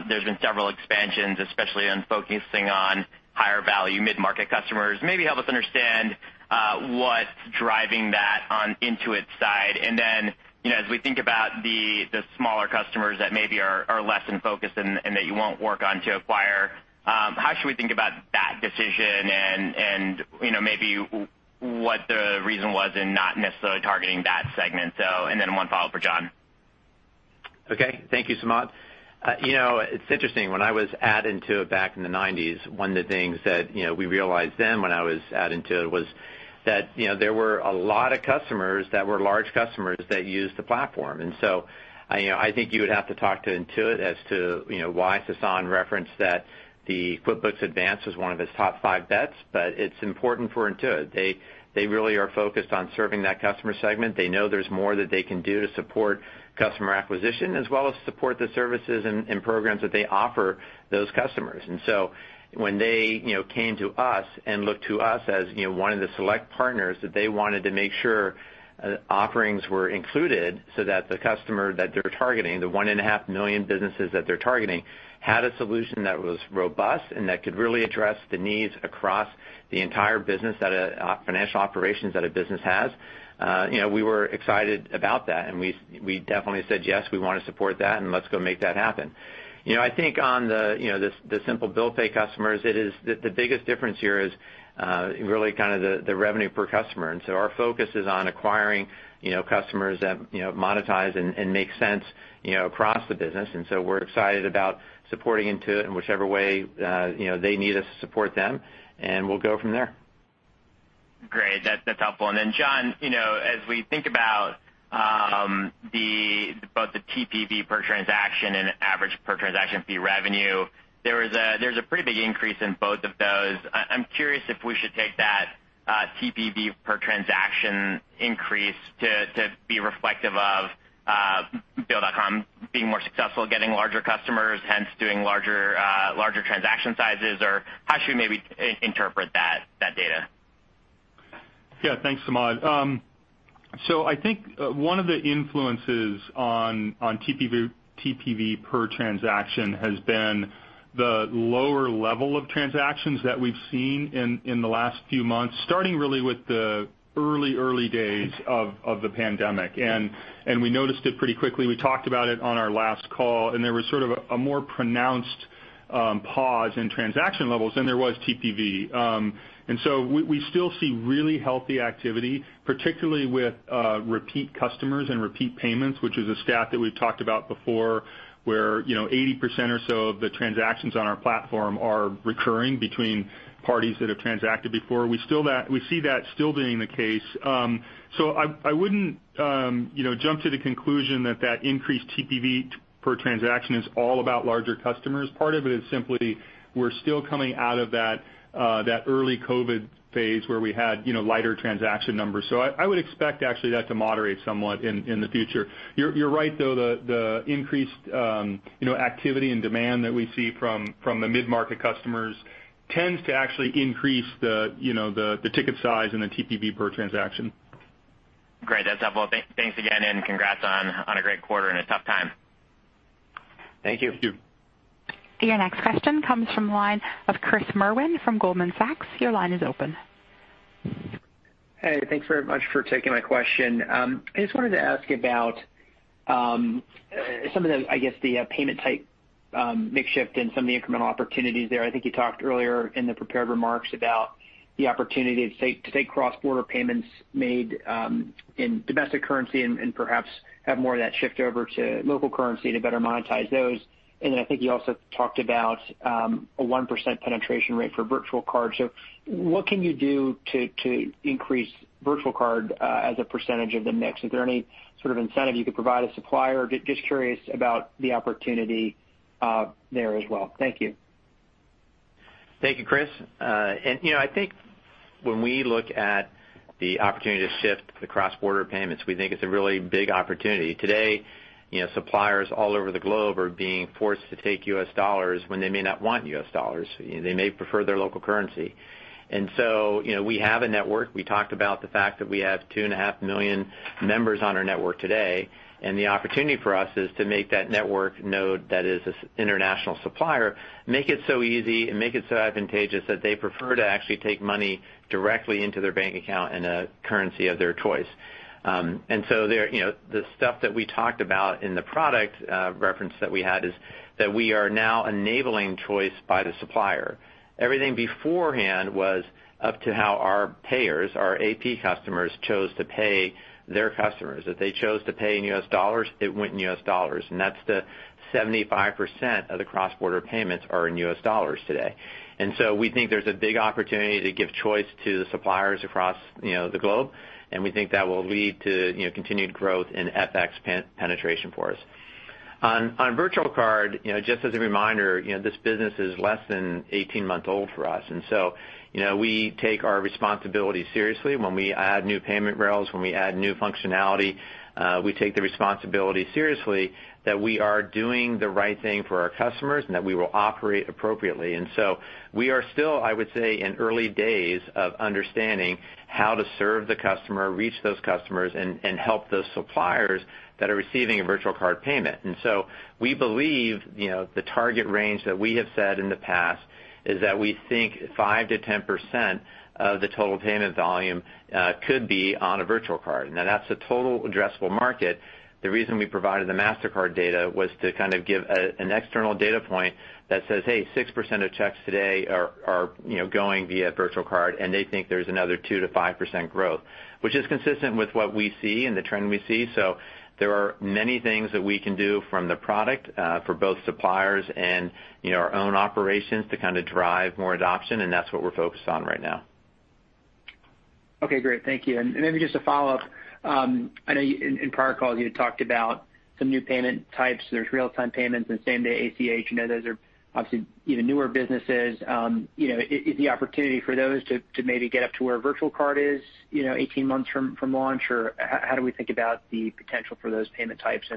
there's been several expansions, especially on focusing on higher value mid-market customers. Maybe help us understand what's driving that on Intuit's side. As we think about the smaller customers that maybe are less in focus and that you won't work on to acquire, how should we think about that decision and maybe what the reason was in not necessarily targeting that segment? One follow-up for John. Okay. Thank you, Samad. It's interesting. When I was at Intuit back in the '90s, one of the things that we realized then when I was at Intuit was that there were a lot of customers that were large customers that used the platform. I think you would have to talk to Intuit as to why Sasan referenced that the QuickBooks Advanced was one of his top five bets, but it's important for Intuit. They really are focused on serving that customer segment. They know there's more that they can do to support customer acquisition as well as support the services and programs that they offer those customers. When they came to us and looked to us as one of the select partners that they wanted to make sure offerings were included so that the customer that they're targeting, the 1.5 million businesses that they're targeting, had a solution that was robust and that could really address the needs across the entire business financial operations that a business has. We were excited about that, and we definitely said, "Yes, we want to support that, and let's go make that happen." I think on the Simple Bill Pay customers, the biggest difference here is really kind of the revenue per customer. Our focus is on acquiring customers that monetize and make sense across the business. We're excited about supporting Intuit in whichever way they need us to support them, and we'll go from there. Great. That's helpful. John, as we think about both the TPV per transaction and average per transaction fee revenue, there's a pretty big increase in both of those. I'm curious if we should take that TPV per transaction increase to be reflective of Bill.com being more successful, getting larger customers, hence doing larger transaction sizes, or how should we maybe interpret that data? Yeah. Thanks, Samad. I think one of the influences on TPV per transaction has been the lower level of transactions that we've seen in the last few months, starting really with the early days of the pandemic. We noticed it pretty quickly. We talked about it on our last call, there was sort of a more pronounced pause in transaction levels than there was TPV. We still see really healthy activity, particularly with repeat customers and repeat payments, which is a stat that we've talked about before, where 80% or so of the transactions on our platform are recurring between parties that have transacted before. We see that still being the case. I wouldn't jump to the conclusion that increased TPV per transaction is all about larger customers. Part of it is simply we're still coming out of that early COVID phase where we had lighter transaction numbers. I would expect actually that to moderate somewhat in the future. You're right, though, the increased activity and demand that we see from the mid-market customers tends to actually increase the ticket size and the TPV per transaction. Great. That's helpful. Thanks again, and congrats on a great quarter and a tough time. Thank you. Thank you. Your next question comes from the line of Chris Merwin from Goldman Sachs. Your line is open. Thanks very much for taking my question. I just wanted to ask about some of the, I guess, the payment type mix shift and some of the incremental opportunities there. I think you talked earlier in the prepared remarks about the opportunity to take cross-border payments made in domestic currency, and perhaps have more of that shift over to local currency to better monetize those. I think you also talked about a 1% penetration rate for virtual cards. What can you do to increase virtual card as a percentage of the mix? Is there any sort of incentive you could provide a supplier? Just curious about the opportunity there as well. Thank you. Thank you, Chris. I think when we look at the opportunity to shift the cross-border payments, we think it's a really big opportunity. Today, suppliers all over the globe are being forced to take U.S. dollars when they may not want U.S. dollars. They may prefer their local currency. We have a network. We talked about the fact that we have 2.5 million members on our network today, and the opportunity for us is to make that network node that is an international supplier, make it so easy and make it so advantageous that they prefer to actually take money directly into their bank account in a currency of their choice. The stuff that we talked about in the product reference that we had is that we are now enabling choice by the supplier. Everything beforehand was up to how our payers, our AP customers, chose to pay their customers. If they chose to pay in U.S. dollars, it went in U.S. dollars, that's the 75% of the cross-border payments are in U.S. dollars today. We think there's a big opportunity to give choice to the suppliers across the globe, and we think that will lead to continued growth in FX penetration for us. On virtual card, just as a reminder, this business is less than 18 months old for us. We take our responsibility seriously when we add new payment rails, when we add new functionality, we take the responsibility seriously that we are doing the right thing for our customers and that we will operate appropriately. We are still, I would say, in early days of understanding how to serve the customer, reach those customers, and help those suppliers that are receiving a virtual card payment. We believe the target range that we have said in the past is that we think 5%-10% of the total payment volume could be on a virtual card. Now that's the total addressable market. The reason we provided the Mastercard data was to kind of give an external data point that says, "Hey, 6% of checks today are going via virtual card," and they think there's another 2%-5% growth, which is consistent with what we see and the trend we see. There are many things that we can do from the product for both suppliers and our own operations to drive more adoption, and that's what we're focused on right now. Okay, great. Thank you. Maybe just a follow-up. I know in prior calls you had talked about some new payment types. There is real-time payments and same-day ACH. Those are obviously newer businesses. Is the opportunity for those to maybe get up to where virtual card is 18 months from launch, or how do we think about the potential for those payment types?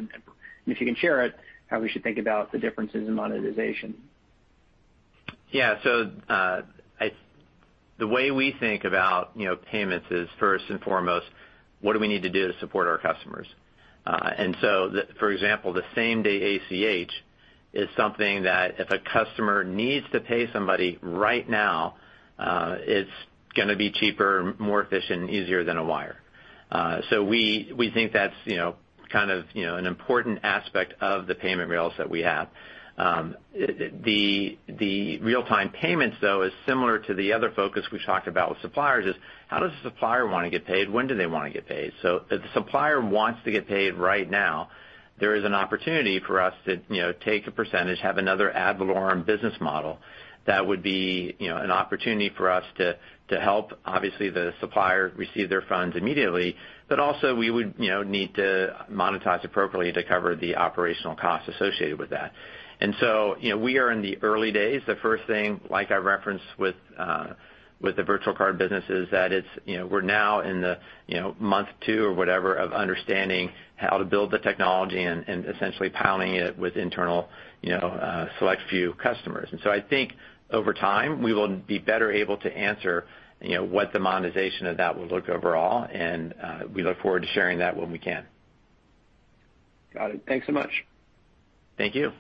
If you can share it, how we should think about the differences in monetization. The way we think about payments is first and foremost, what do we need to do to support our customers? For example, the same-day ACH is something that if a customer needs to pay somebody right now, it's going to be cheaper, more efficient, easier than a wire. We think that's kind of an important aspect of the payment rails that we have. The real-time payments, though, is similar to the other focus we talked about with suppliers is, how does the supplier want to get paid? When do they want to get paid? If the supplier wants to get paid right now, there is an opportunity for us to take a percentage, have another ad valorem business model that would be an opportunity for us to help, obviously, the supplier receive their funds immediately. Also we would need to monetize appropriately to cover the operational cost associated with that. We are in the early days. The first thing, like I referenced with the virtual card business, is that we're now in the month two or whatever of understanding how to build the technology and essentially pounding it with internal select few customers. I think over time, we will be better able to answer what the monetization of that will look overall, and we look forward to sharing that when we can. Got it. Thanks so much. Thank you.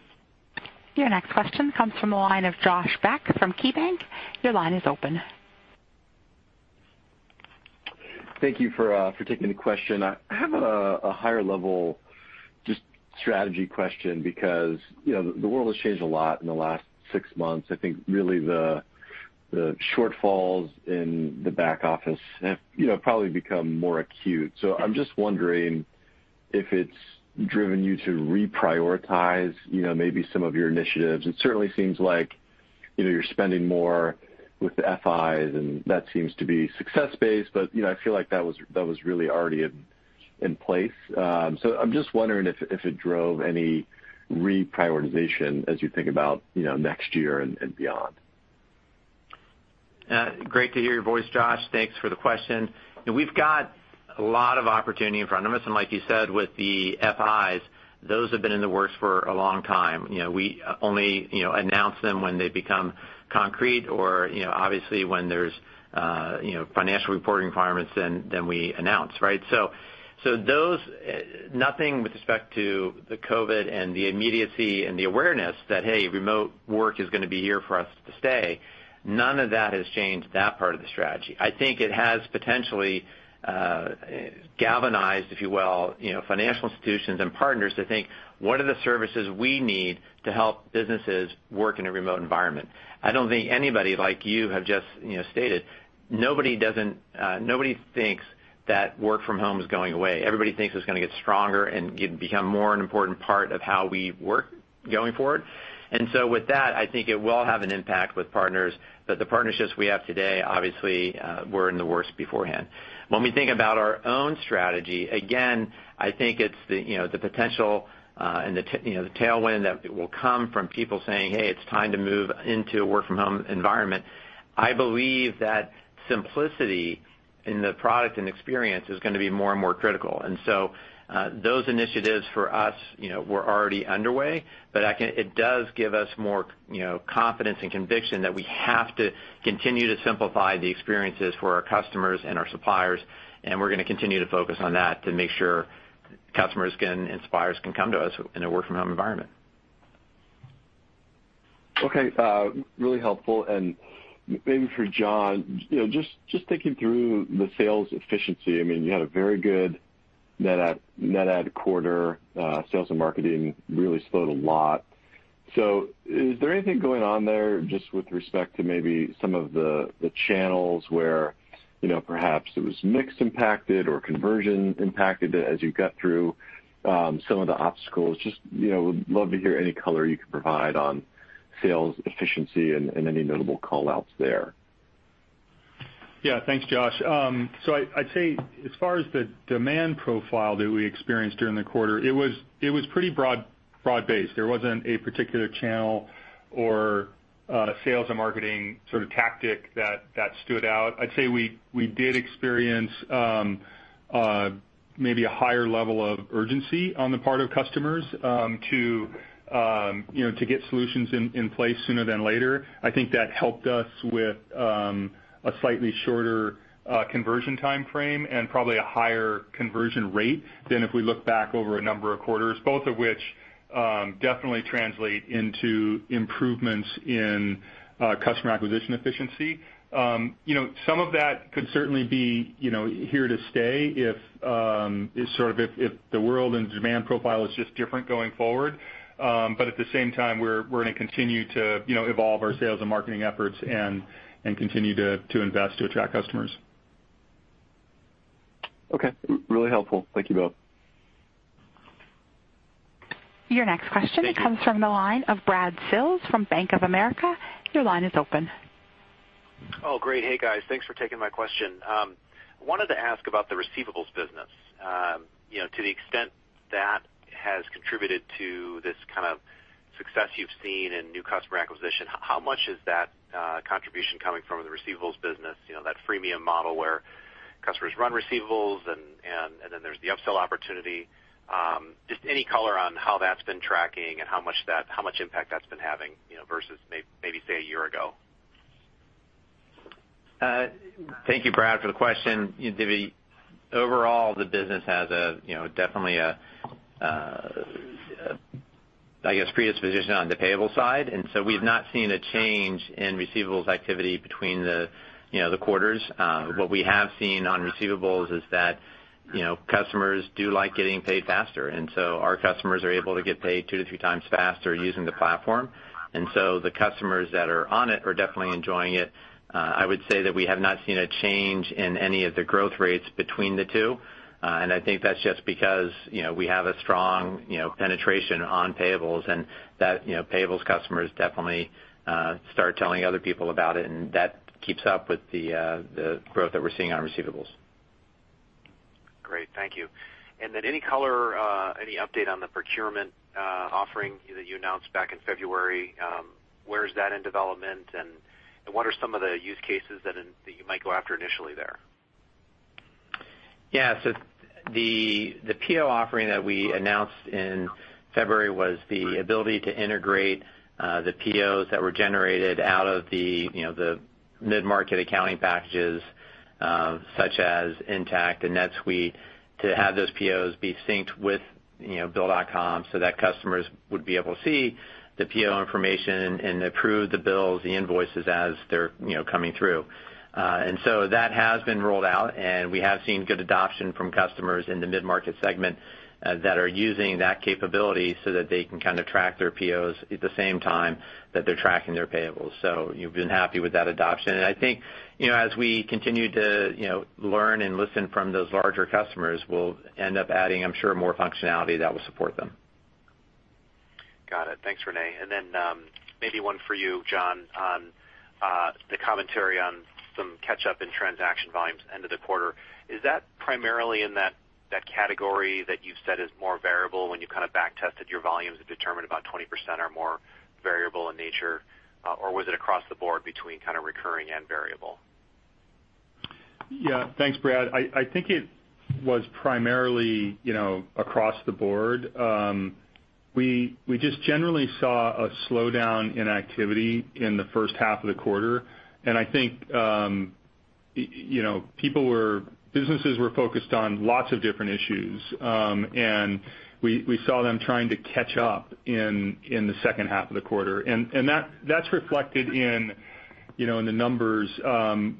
Your next question comes from the line of Josh Beck from KeyBanc. Your line is open. Thank you for taking the question. I have a higher-level just strategy question because the world has changed a lot in the last six months. I think really the shortfalls in the back office have probably become more acute. I'm just wondering if it's driven you to reprioritize maybe some of your initiatives. It certainly seems like you're spending more with the FIs and that seems to be success-based, I feel like that was really already in place. I'm just wondering if it drove any reprioritization as you think about next year and beyond. Great to hear your voice, Josh. Thanks for the question. We've got a lot of opportunity in front of us, like you said, with the FIs, those have been in the works for a long time. We only announce them when they become concrete or obviously when there's financial reporting requirements then we announce, right? Nothing with respect to the COVID and the immediacy and the awareness that, hey, remote work is going to be here for us to stay. None of that has changed that part of the strategy. I think it has potentially galvanized, if you will, financial institutions and partners to think, what are the services we need to help businesses work in a remote environment? I don't think anybody like you have just stated, nobody thinks that work from home is going away. Everybody thinks it's going to get stronger and become more an important part of how we work going forward. With that, I think it will have an impact with partners. The partnerships we have today, obviously, were in the works beforehand. When we think about our own strategy, again, I think it's the potential and the tailwind that will come from people saying, "Hey, it's time to move into a work-from-home environment." I believe that simplicity in the product and experience is going to be more and more critical. Those initiatives for us were already underway, but it does give us more confidence and conviction that we have to continue to simplify the experiences for our customers and our suppliers, and we're going to continue to focus on that to make sure customers and suppliers can come to us in a work-from-home environment. Okay. Really helpful. Maybe for John, just thinking through the sales efficiency. You had a very good net add quarter. Sales and marketing really slowed a lot. Is there anything going on there just with respect to maybe some of the channels where perhaps it was mixed impacted or conversion impacted as you got through some of the obstacles? Just would love to hear any color you could provide on sales efficiency and any notable callouts there. Thanks, Josh. I'd say as far as the demand profile that we experienced during the quarter, it was pretty broad-based. There wasn't a particular channel or a sales and marketing sort of tactic that stood out. I'd say we did experience maybe a higher level of urgency on the part of customers to get solutions in place sooner than later. I think that helped us with a slightly shorter conversion timeframe and probably a higher conversion rate than if we look back over a number of quarters, both of which definitely translate into improvements in customer acquisition efficiency. Some of that could certainly be here to stay if the world and demand profile is just different going forward. At the same time, we're going to continue to evolve our sales and marketing efforts and continue to invest to attract customers. Okay. Really helpful. Thank you both. Your next question comes from the line of Brad Sills from Bank of America. Your line is open. Oh, great. Hey, guys. Thanks for taking my question. I wanted to ask about the receivables business. To the extent that has contributed to this kind of success you've seen in new customer acquisition, how much is that contribution coming from the receivables business, that freemium model where customers run receivables and then there's the upsell opportunity? Just any color on how that's been tracking and how much impact that's been having, versus maybe, say, a year ago. Thank you, Brad, for the question. Overall, the business has definitely a, I guess, predisposition on the payable side. We've not seen a change in receivables activity between the quarters. What we have seen on receivables is that customers do like getting paid faster. Our customers are able to get paid two to three times faster using the platform. The customers that are on it are definitely enjoying it. I would say that we have not seen a change in any of the growth rates between the two. I think that's just because we have a strong penetration on payables and payables customers definitely start telling other people about it, and that keeps up with the growth that we're seeing on receivables. Great. Thank you. Any color, any update on the procurement offering that you announced back in February? Where is that in development? What are some of the use cases that you might go after initially there? The PO offering that we announced in February was the ability to integrate the POs that were generated out of the mid-market accounting packages, such as Intacct and NetSuite, to have those POs be synced with Bill.com so that customers would be able to see the PO information and approve the bills, the invoices as they're coming through. That has been rolled out, and we have seen good adoption from customers in the mid-market segment that are using that capability so that they can track their POs at the same time that they're tracking their payables. We've been happy with that adoption. I think, as we continue to learn and listen from those larger customers, we'll end up adding, I'm sure, more functionality that will support them. Got it. Thanks, René. Maybe one for you, John, on the commentary on some catch-up in transaction volumes end of the quarter. Is that primarily in that category that you've said is more variable when you back tested your volumes and determined about 20% are more variable in nature? Was it across the board between recurring and variable? Yeah. Thanks, Brad. I think it was primarily across the board. We just generally saw a slowdown in activity in the first half of the quarter. I think businesses were focused on lots of different issues, and we saw them trying to catch up in the second half of the quarter, and that's reflected in the numbers.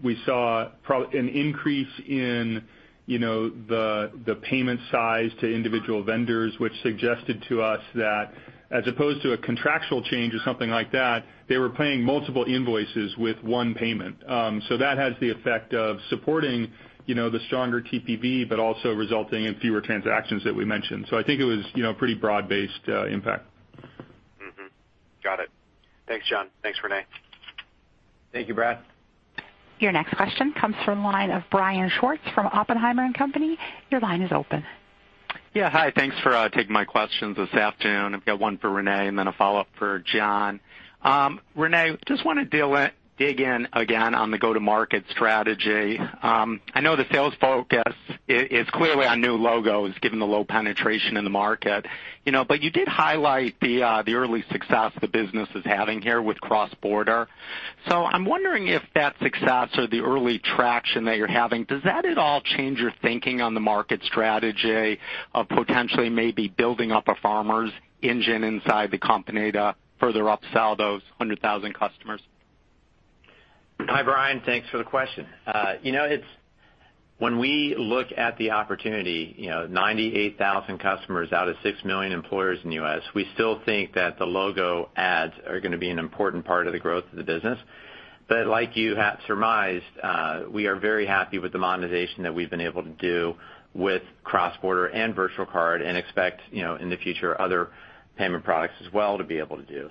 We saw an increase in the payment size to individual vendors, which suggested to us that as opposed to a contractual change or something like that, they were paying multiple invoices with one payment. That has the effect of supporting the stronger TPV, but also resulting in fewer transactions that we mentioned. I think it was pretty broad-based impact. Mm-hmm. Got it. Thanks, John. Thanks, René. Thank you, Brad. Your next question comes from the line of Brian Schwartz from Oppenheimer & Co. Your line is open. Yeah. Hi. Thanks for taking my questions this afternoon. I've got one for René and then a follow-up for John. René, just want to dig in again on the go-to-market strategy. I know the sales focus is clearly on new logos given the low penetration in the market. You did highlight the early success the business is having here with cross-border. I'm wondering if that success or the early traction that you're having, does that at all change your thinking on the market strategy of potentially maybe building up a farmer's engine inside the company to further upsell those 100,000 customers? Hi, Brian. Thanks for the question. When we look at the opportunity, 98,000 customers out of six million employers in the U.S., we still think that the logo ads are going to be an important part of the growth of the business. Like you have surmised, we are very happy with the monetization that we've been able to do with cross-border and virtual card and expect, in the future, other payment products as well to be able to do.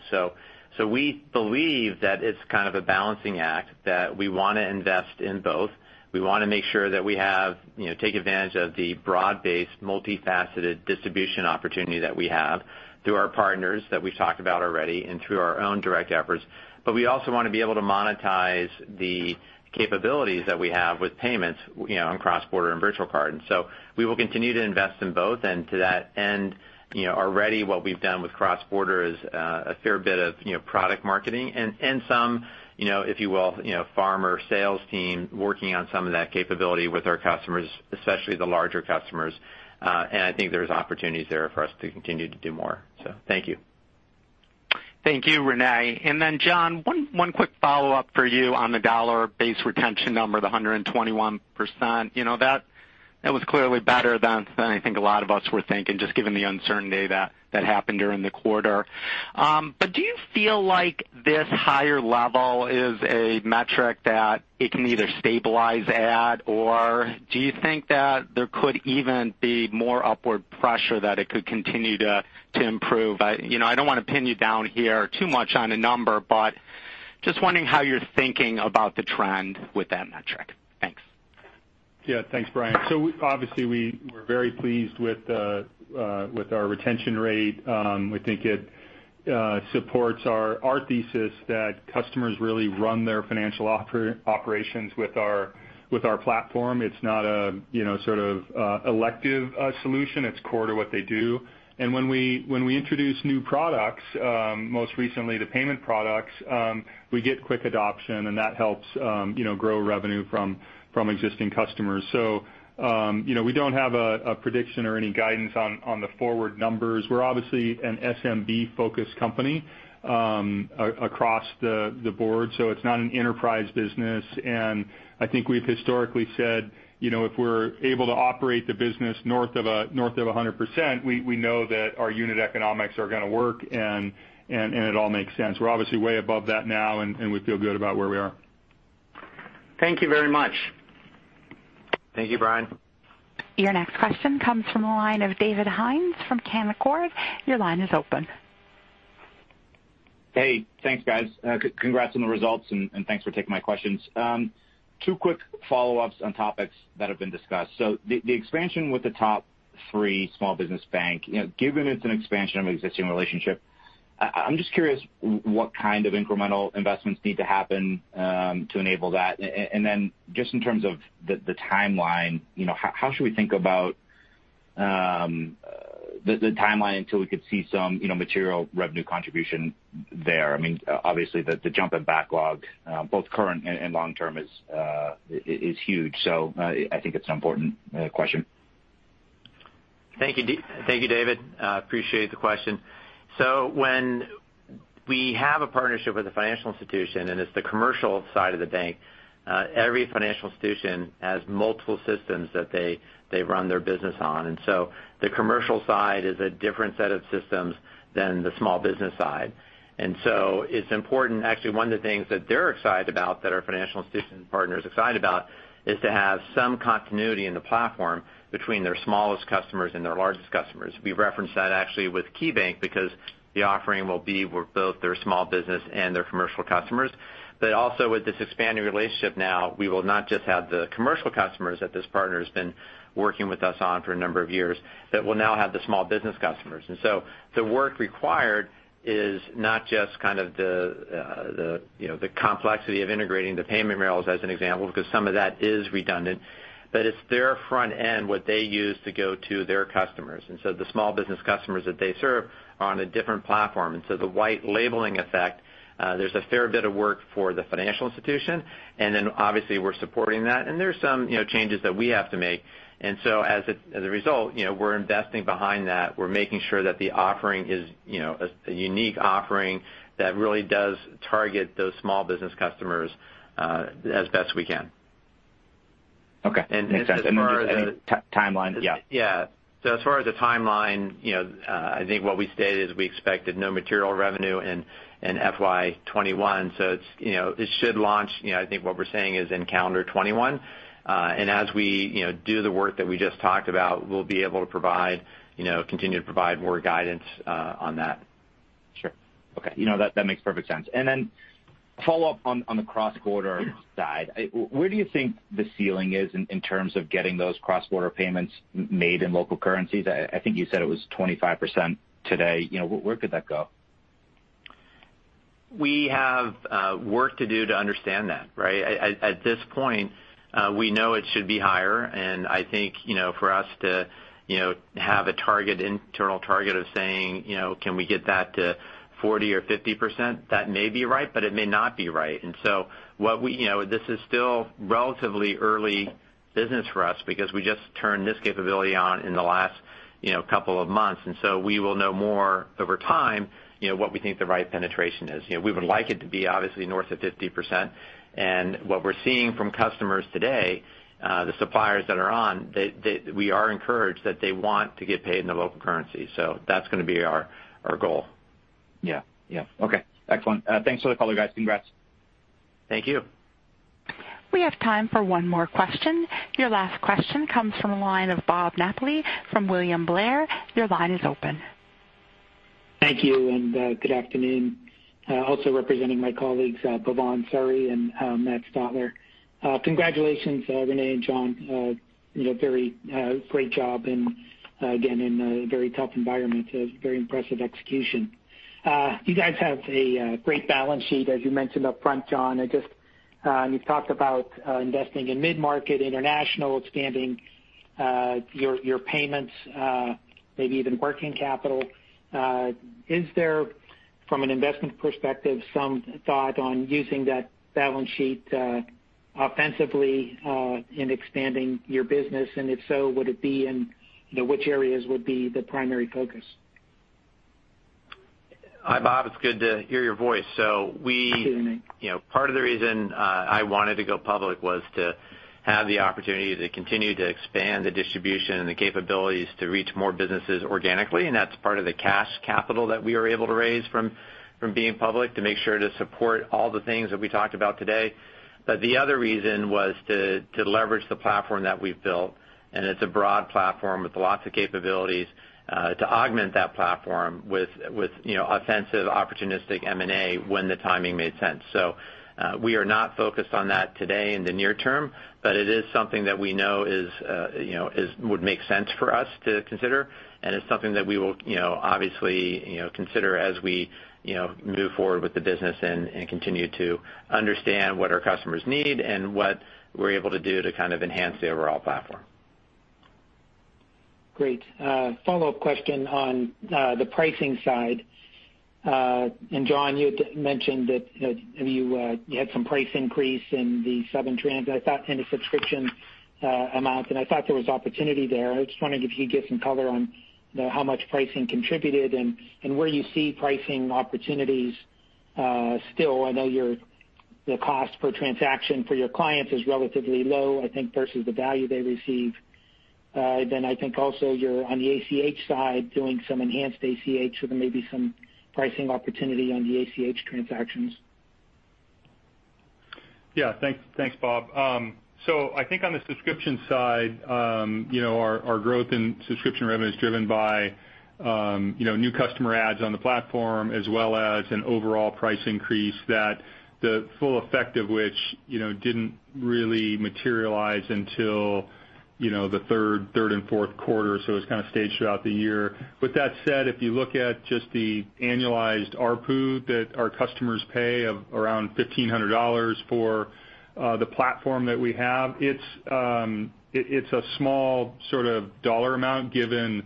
We believe that it's kind of a balancing act that we want to invest in both. We want to make sure that we take advantage of the broad-based, multifaceted distribution opportunity that we have through our partners that we've talked about already and through our own direct efforts. We also want to be able to monetize the capabilities that we have with payments on cross-border and virtual card. We will continue to invest in both. To that end, already what we've done with cross-border is a fair bit of product marketing and some, if you will, farmer sales team working on some of that capability with our customers, especially the larger customers. I think there's opportunities there for us to continue to do more. Thank you. Thank you, René. John, one quick follow-up for you on the dollar-based retention number, the 121%. That was clearly better than I think a lot of us were thinking, just given the uncertainty that happened during the quarter. Do you feel like this higher level is a metric that it can either stabilize at, or do you think that there could even be more upward pressure that it could continue to improve? I don't want to pin you down here too much on a number, but just wondering how you're thinking about the trend with that metric. Thanks. Yeah. Thanks, Brian. Obviously, we were very pleased with our retention rate. We think it supports our thesis that customers really run their financial operations with our platform. It's not a sort of elective solution. It's core to what they do. When we introduce new products, most recently the payment products, we get quick adoption and that helps grow revenue from existing customers. We don't have a prediction or any guidance on the forward numbers. We're obviously an SMB-focused company across the board, so it's not an enterprise business. I think we've historically said if we're able to operate the business north of 100%, we know that our unit economics are going to work and it all makes sense. We're obviously way above that now, and we feel good about where we are. Thank you very much. Thank you, Brian. Your next question comes from the line of David Hynes from Canaccord. Your line is open. Hey, thanks, guys. Congrats on the results and thanks for taking my questions. Two quick follow-ups on topics that have been discussed. The expansion with the top three small business bank, given it's an expansion of an existing relationship, I'm just curious what kind of incremental investments need to happen to enable that. Just in terms of the timeline, how should we think about the timeline until we could see some material revenue contribution there? I mean, obviously the jump in backlog, both current and long-term is huge. I think it's an important question. Thank you, David. Appreciate the question. When we have a partnership with a financial institution and it's the commercial side of the bank, every financial institution has multiple systems that they run their business on. The commercial side is a different set of systems than the small business side. It's important. Actually, one of the things that they're excited about, that our financial institution partner is excited about is to have some continuity in the platform between their smallest customers and their largest customers. We referenced that actually with KeyBank because the offering will be with both their small business and their commercial customers. Also with this expanding relationship now, we will not just have the commercial customers that this partner has been working with us on for a number of years, but we'll now have the small business customers. The work required is not just kind of the complexity of integrating the payment rails as an example, because some of that is redundant, but it's their front end, what they use to go to their customers. The small business customers that they serve are on a different platform. The white labeling effect, there's a fair bit of work for the financial institution, and then obviously we're supporting that. There's some changes that we have to make. As a result, we're investing behind that. We're making sure that the offering is a unique offering that really does target those small business customers as best we can. Okay. Makes sense. Just any timeline? Yeah. As far as the timeline, I think what we stated is we expected no material revenue in FY 2021. It should launch, I think what we're saying is in calendar 2021. As we do the work that we just talked about, we'll be able to continue to provide more guidance on that. Sure. Okay. That makes perfect sense. Then follow up on the cross-border side. Where do you think the ceiling is in terms of getting those cross-border payments made in local currencies? I think you said it was 25% today. Where could that go? We have work to do to understand that, right? At this point, we know it should be higher. I think for us to have an internal target of saying, can we get that to 40% or 50%? That may be right, but it may not be right. This is still relatively early business for us because we just turned this capability on in the last couple of months. We will know more over time what we think the right penetration is. We would like it to be obviously north of 50%. What we're seeing from customers today, the suppliers that are on, we are encouraged that they want to get paid in the local currency. That's going to be our goal. Yeah. Okay. Excellent. Thanks for the call, guys. Congrats. Thank you. We have time for one more question. Your last question comes from the line of Bob Napoli from William Blair. Your line is open. Thank you. Good afternoon. Also representing my colleagues, Bhavan Suri and Matt Stotler. Congratulations, René and John. Very great job, and again, in a very tough environment. Very impressive execution. You guys have a great balance sheet, as you mentioned upfront, John. You've talked about investing in mid-market, international, expanding your payments, maybe even working capital. Is there, from an investment perspective, some thought on using that balance sheet offensively in expanding your business? If so, would it be, and which areas would be the primary focus? Hi, Bob. It's good to hear your voice. Good evening. Part of the reason I wanted to go public was to have the opportunity to continue to expand the distribution and the capabilities to reach more businesses organically, and that's part of the cash capital that we are able to raise from being public to make sure to support all the things that we talked about today. The other reason was to leverage the platform that we've built, and it's a broad platform with lots of capabilities to augment that platform with offensive, opportunistic M&A when the timing made sense. We are not focused on that today in the near term, but it is something that we know would make sense for us to consider, and it's something that we will obviously consider as we move forward with the business and continue to understand what our customers need and what we're able to do to enhance the overall platform. Great. A follow-up question on the pricing side. John, you had mentioned that you had some price increase in the seven trans and the subscription amount, and I thought there was opportunity there. I just wonder if you could give some color on how much pricing contributed and where you see pricing opportunities still. I know the cost per transaction for your clients is relatively low, I think, versus the value they receive. I think also you're on the ACH side doing some enhanced ACH, so there may be some pricing opportunity on the ACH transactions. Yeah. Thanks, Bob. I think on the subscription side, our growth in subscription revenue is driven by new customer adds on the platform as well as an overall price increase that the full effect of which didn't really materialize until the third and fourth quarter, so it was kind of staged throughout the year. With that said, if you look at just the annualized ARPU that our customers pay of around $1,500 for the platform that we have, it's a small sort of dollar amount given the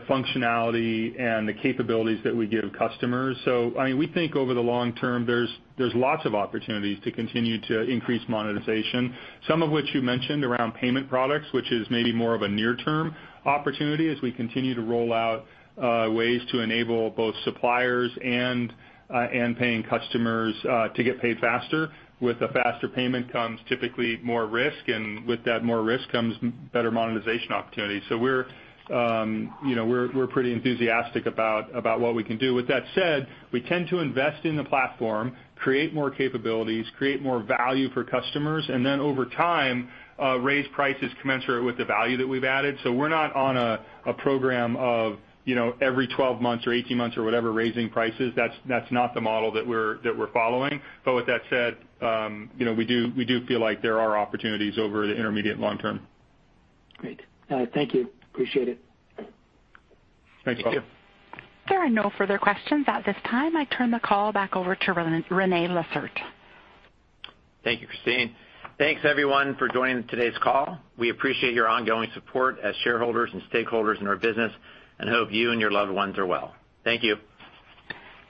functionality and the capabilities that we give customers. We think over the long term, there's lots of opportunities to continue to increase monetization, some of which you mentioned around payment products, which is maybe more of a near-term opportunity as we continue to roll out ways to enable both suppliers and paying customers to get paid faster. With a faster payment comes typically more risk, and with that more risk comes better monetization opportunities. We're pretty enthusiastic about what we can do. With that said, we tend to invest in the platform, create more capabilities, create more value for customers, and then over time, raise prices commensurate with the value that we've added. We're not on a program of every 12 months or 18 months or whatever raising prices. That's not the model that we're following. With that said we do feel like there are opportunities over the intermediate and long term. Great. Thank you. Appreciate it. Thanks, Bob. Thank you. There are no further questions at this time. I turn the call back over to René Lacerte. Thank you, Christine. Thanks, everyone, for joining today's call. We appreciate your ongoing support as shareholders and stakeholders in our business and hope you and your loved ones are well. Thank you.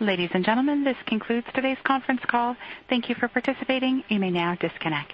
Ladies and gentlemen, this concludes today's conference call. Thank you for participating. You may now disconnect.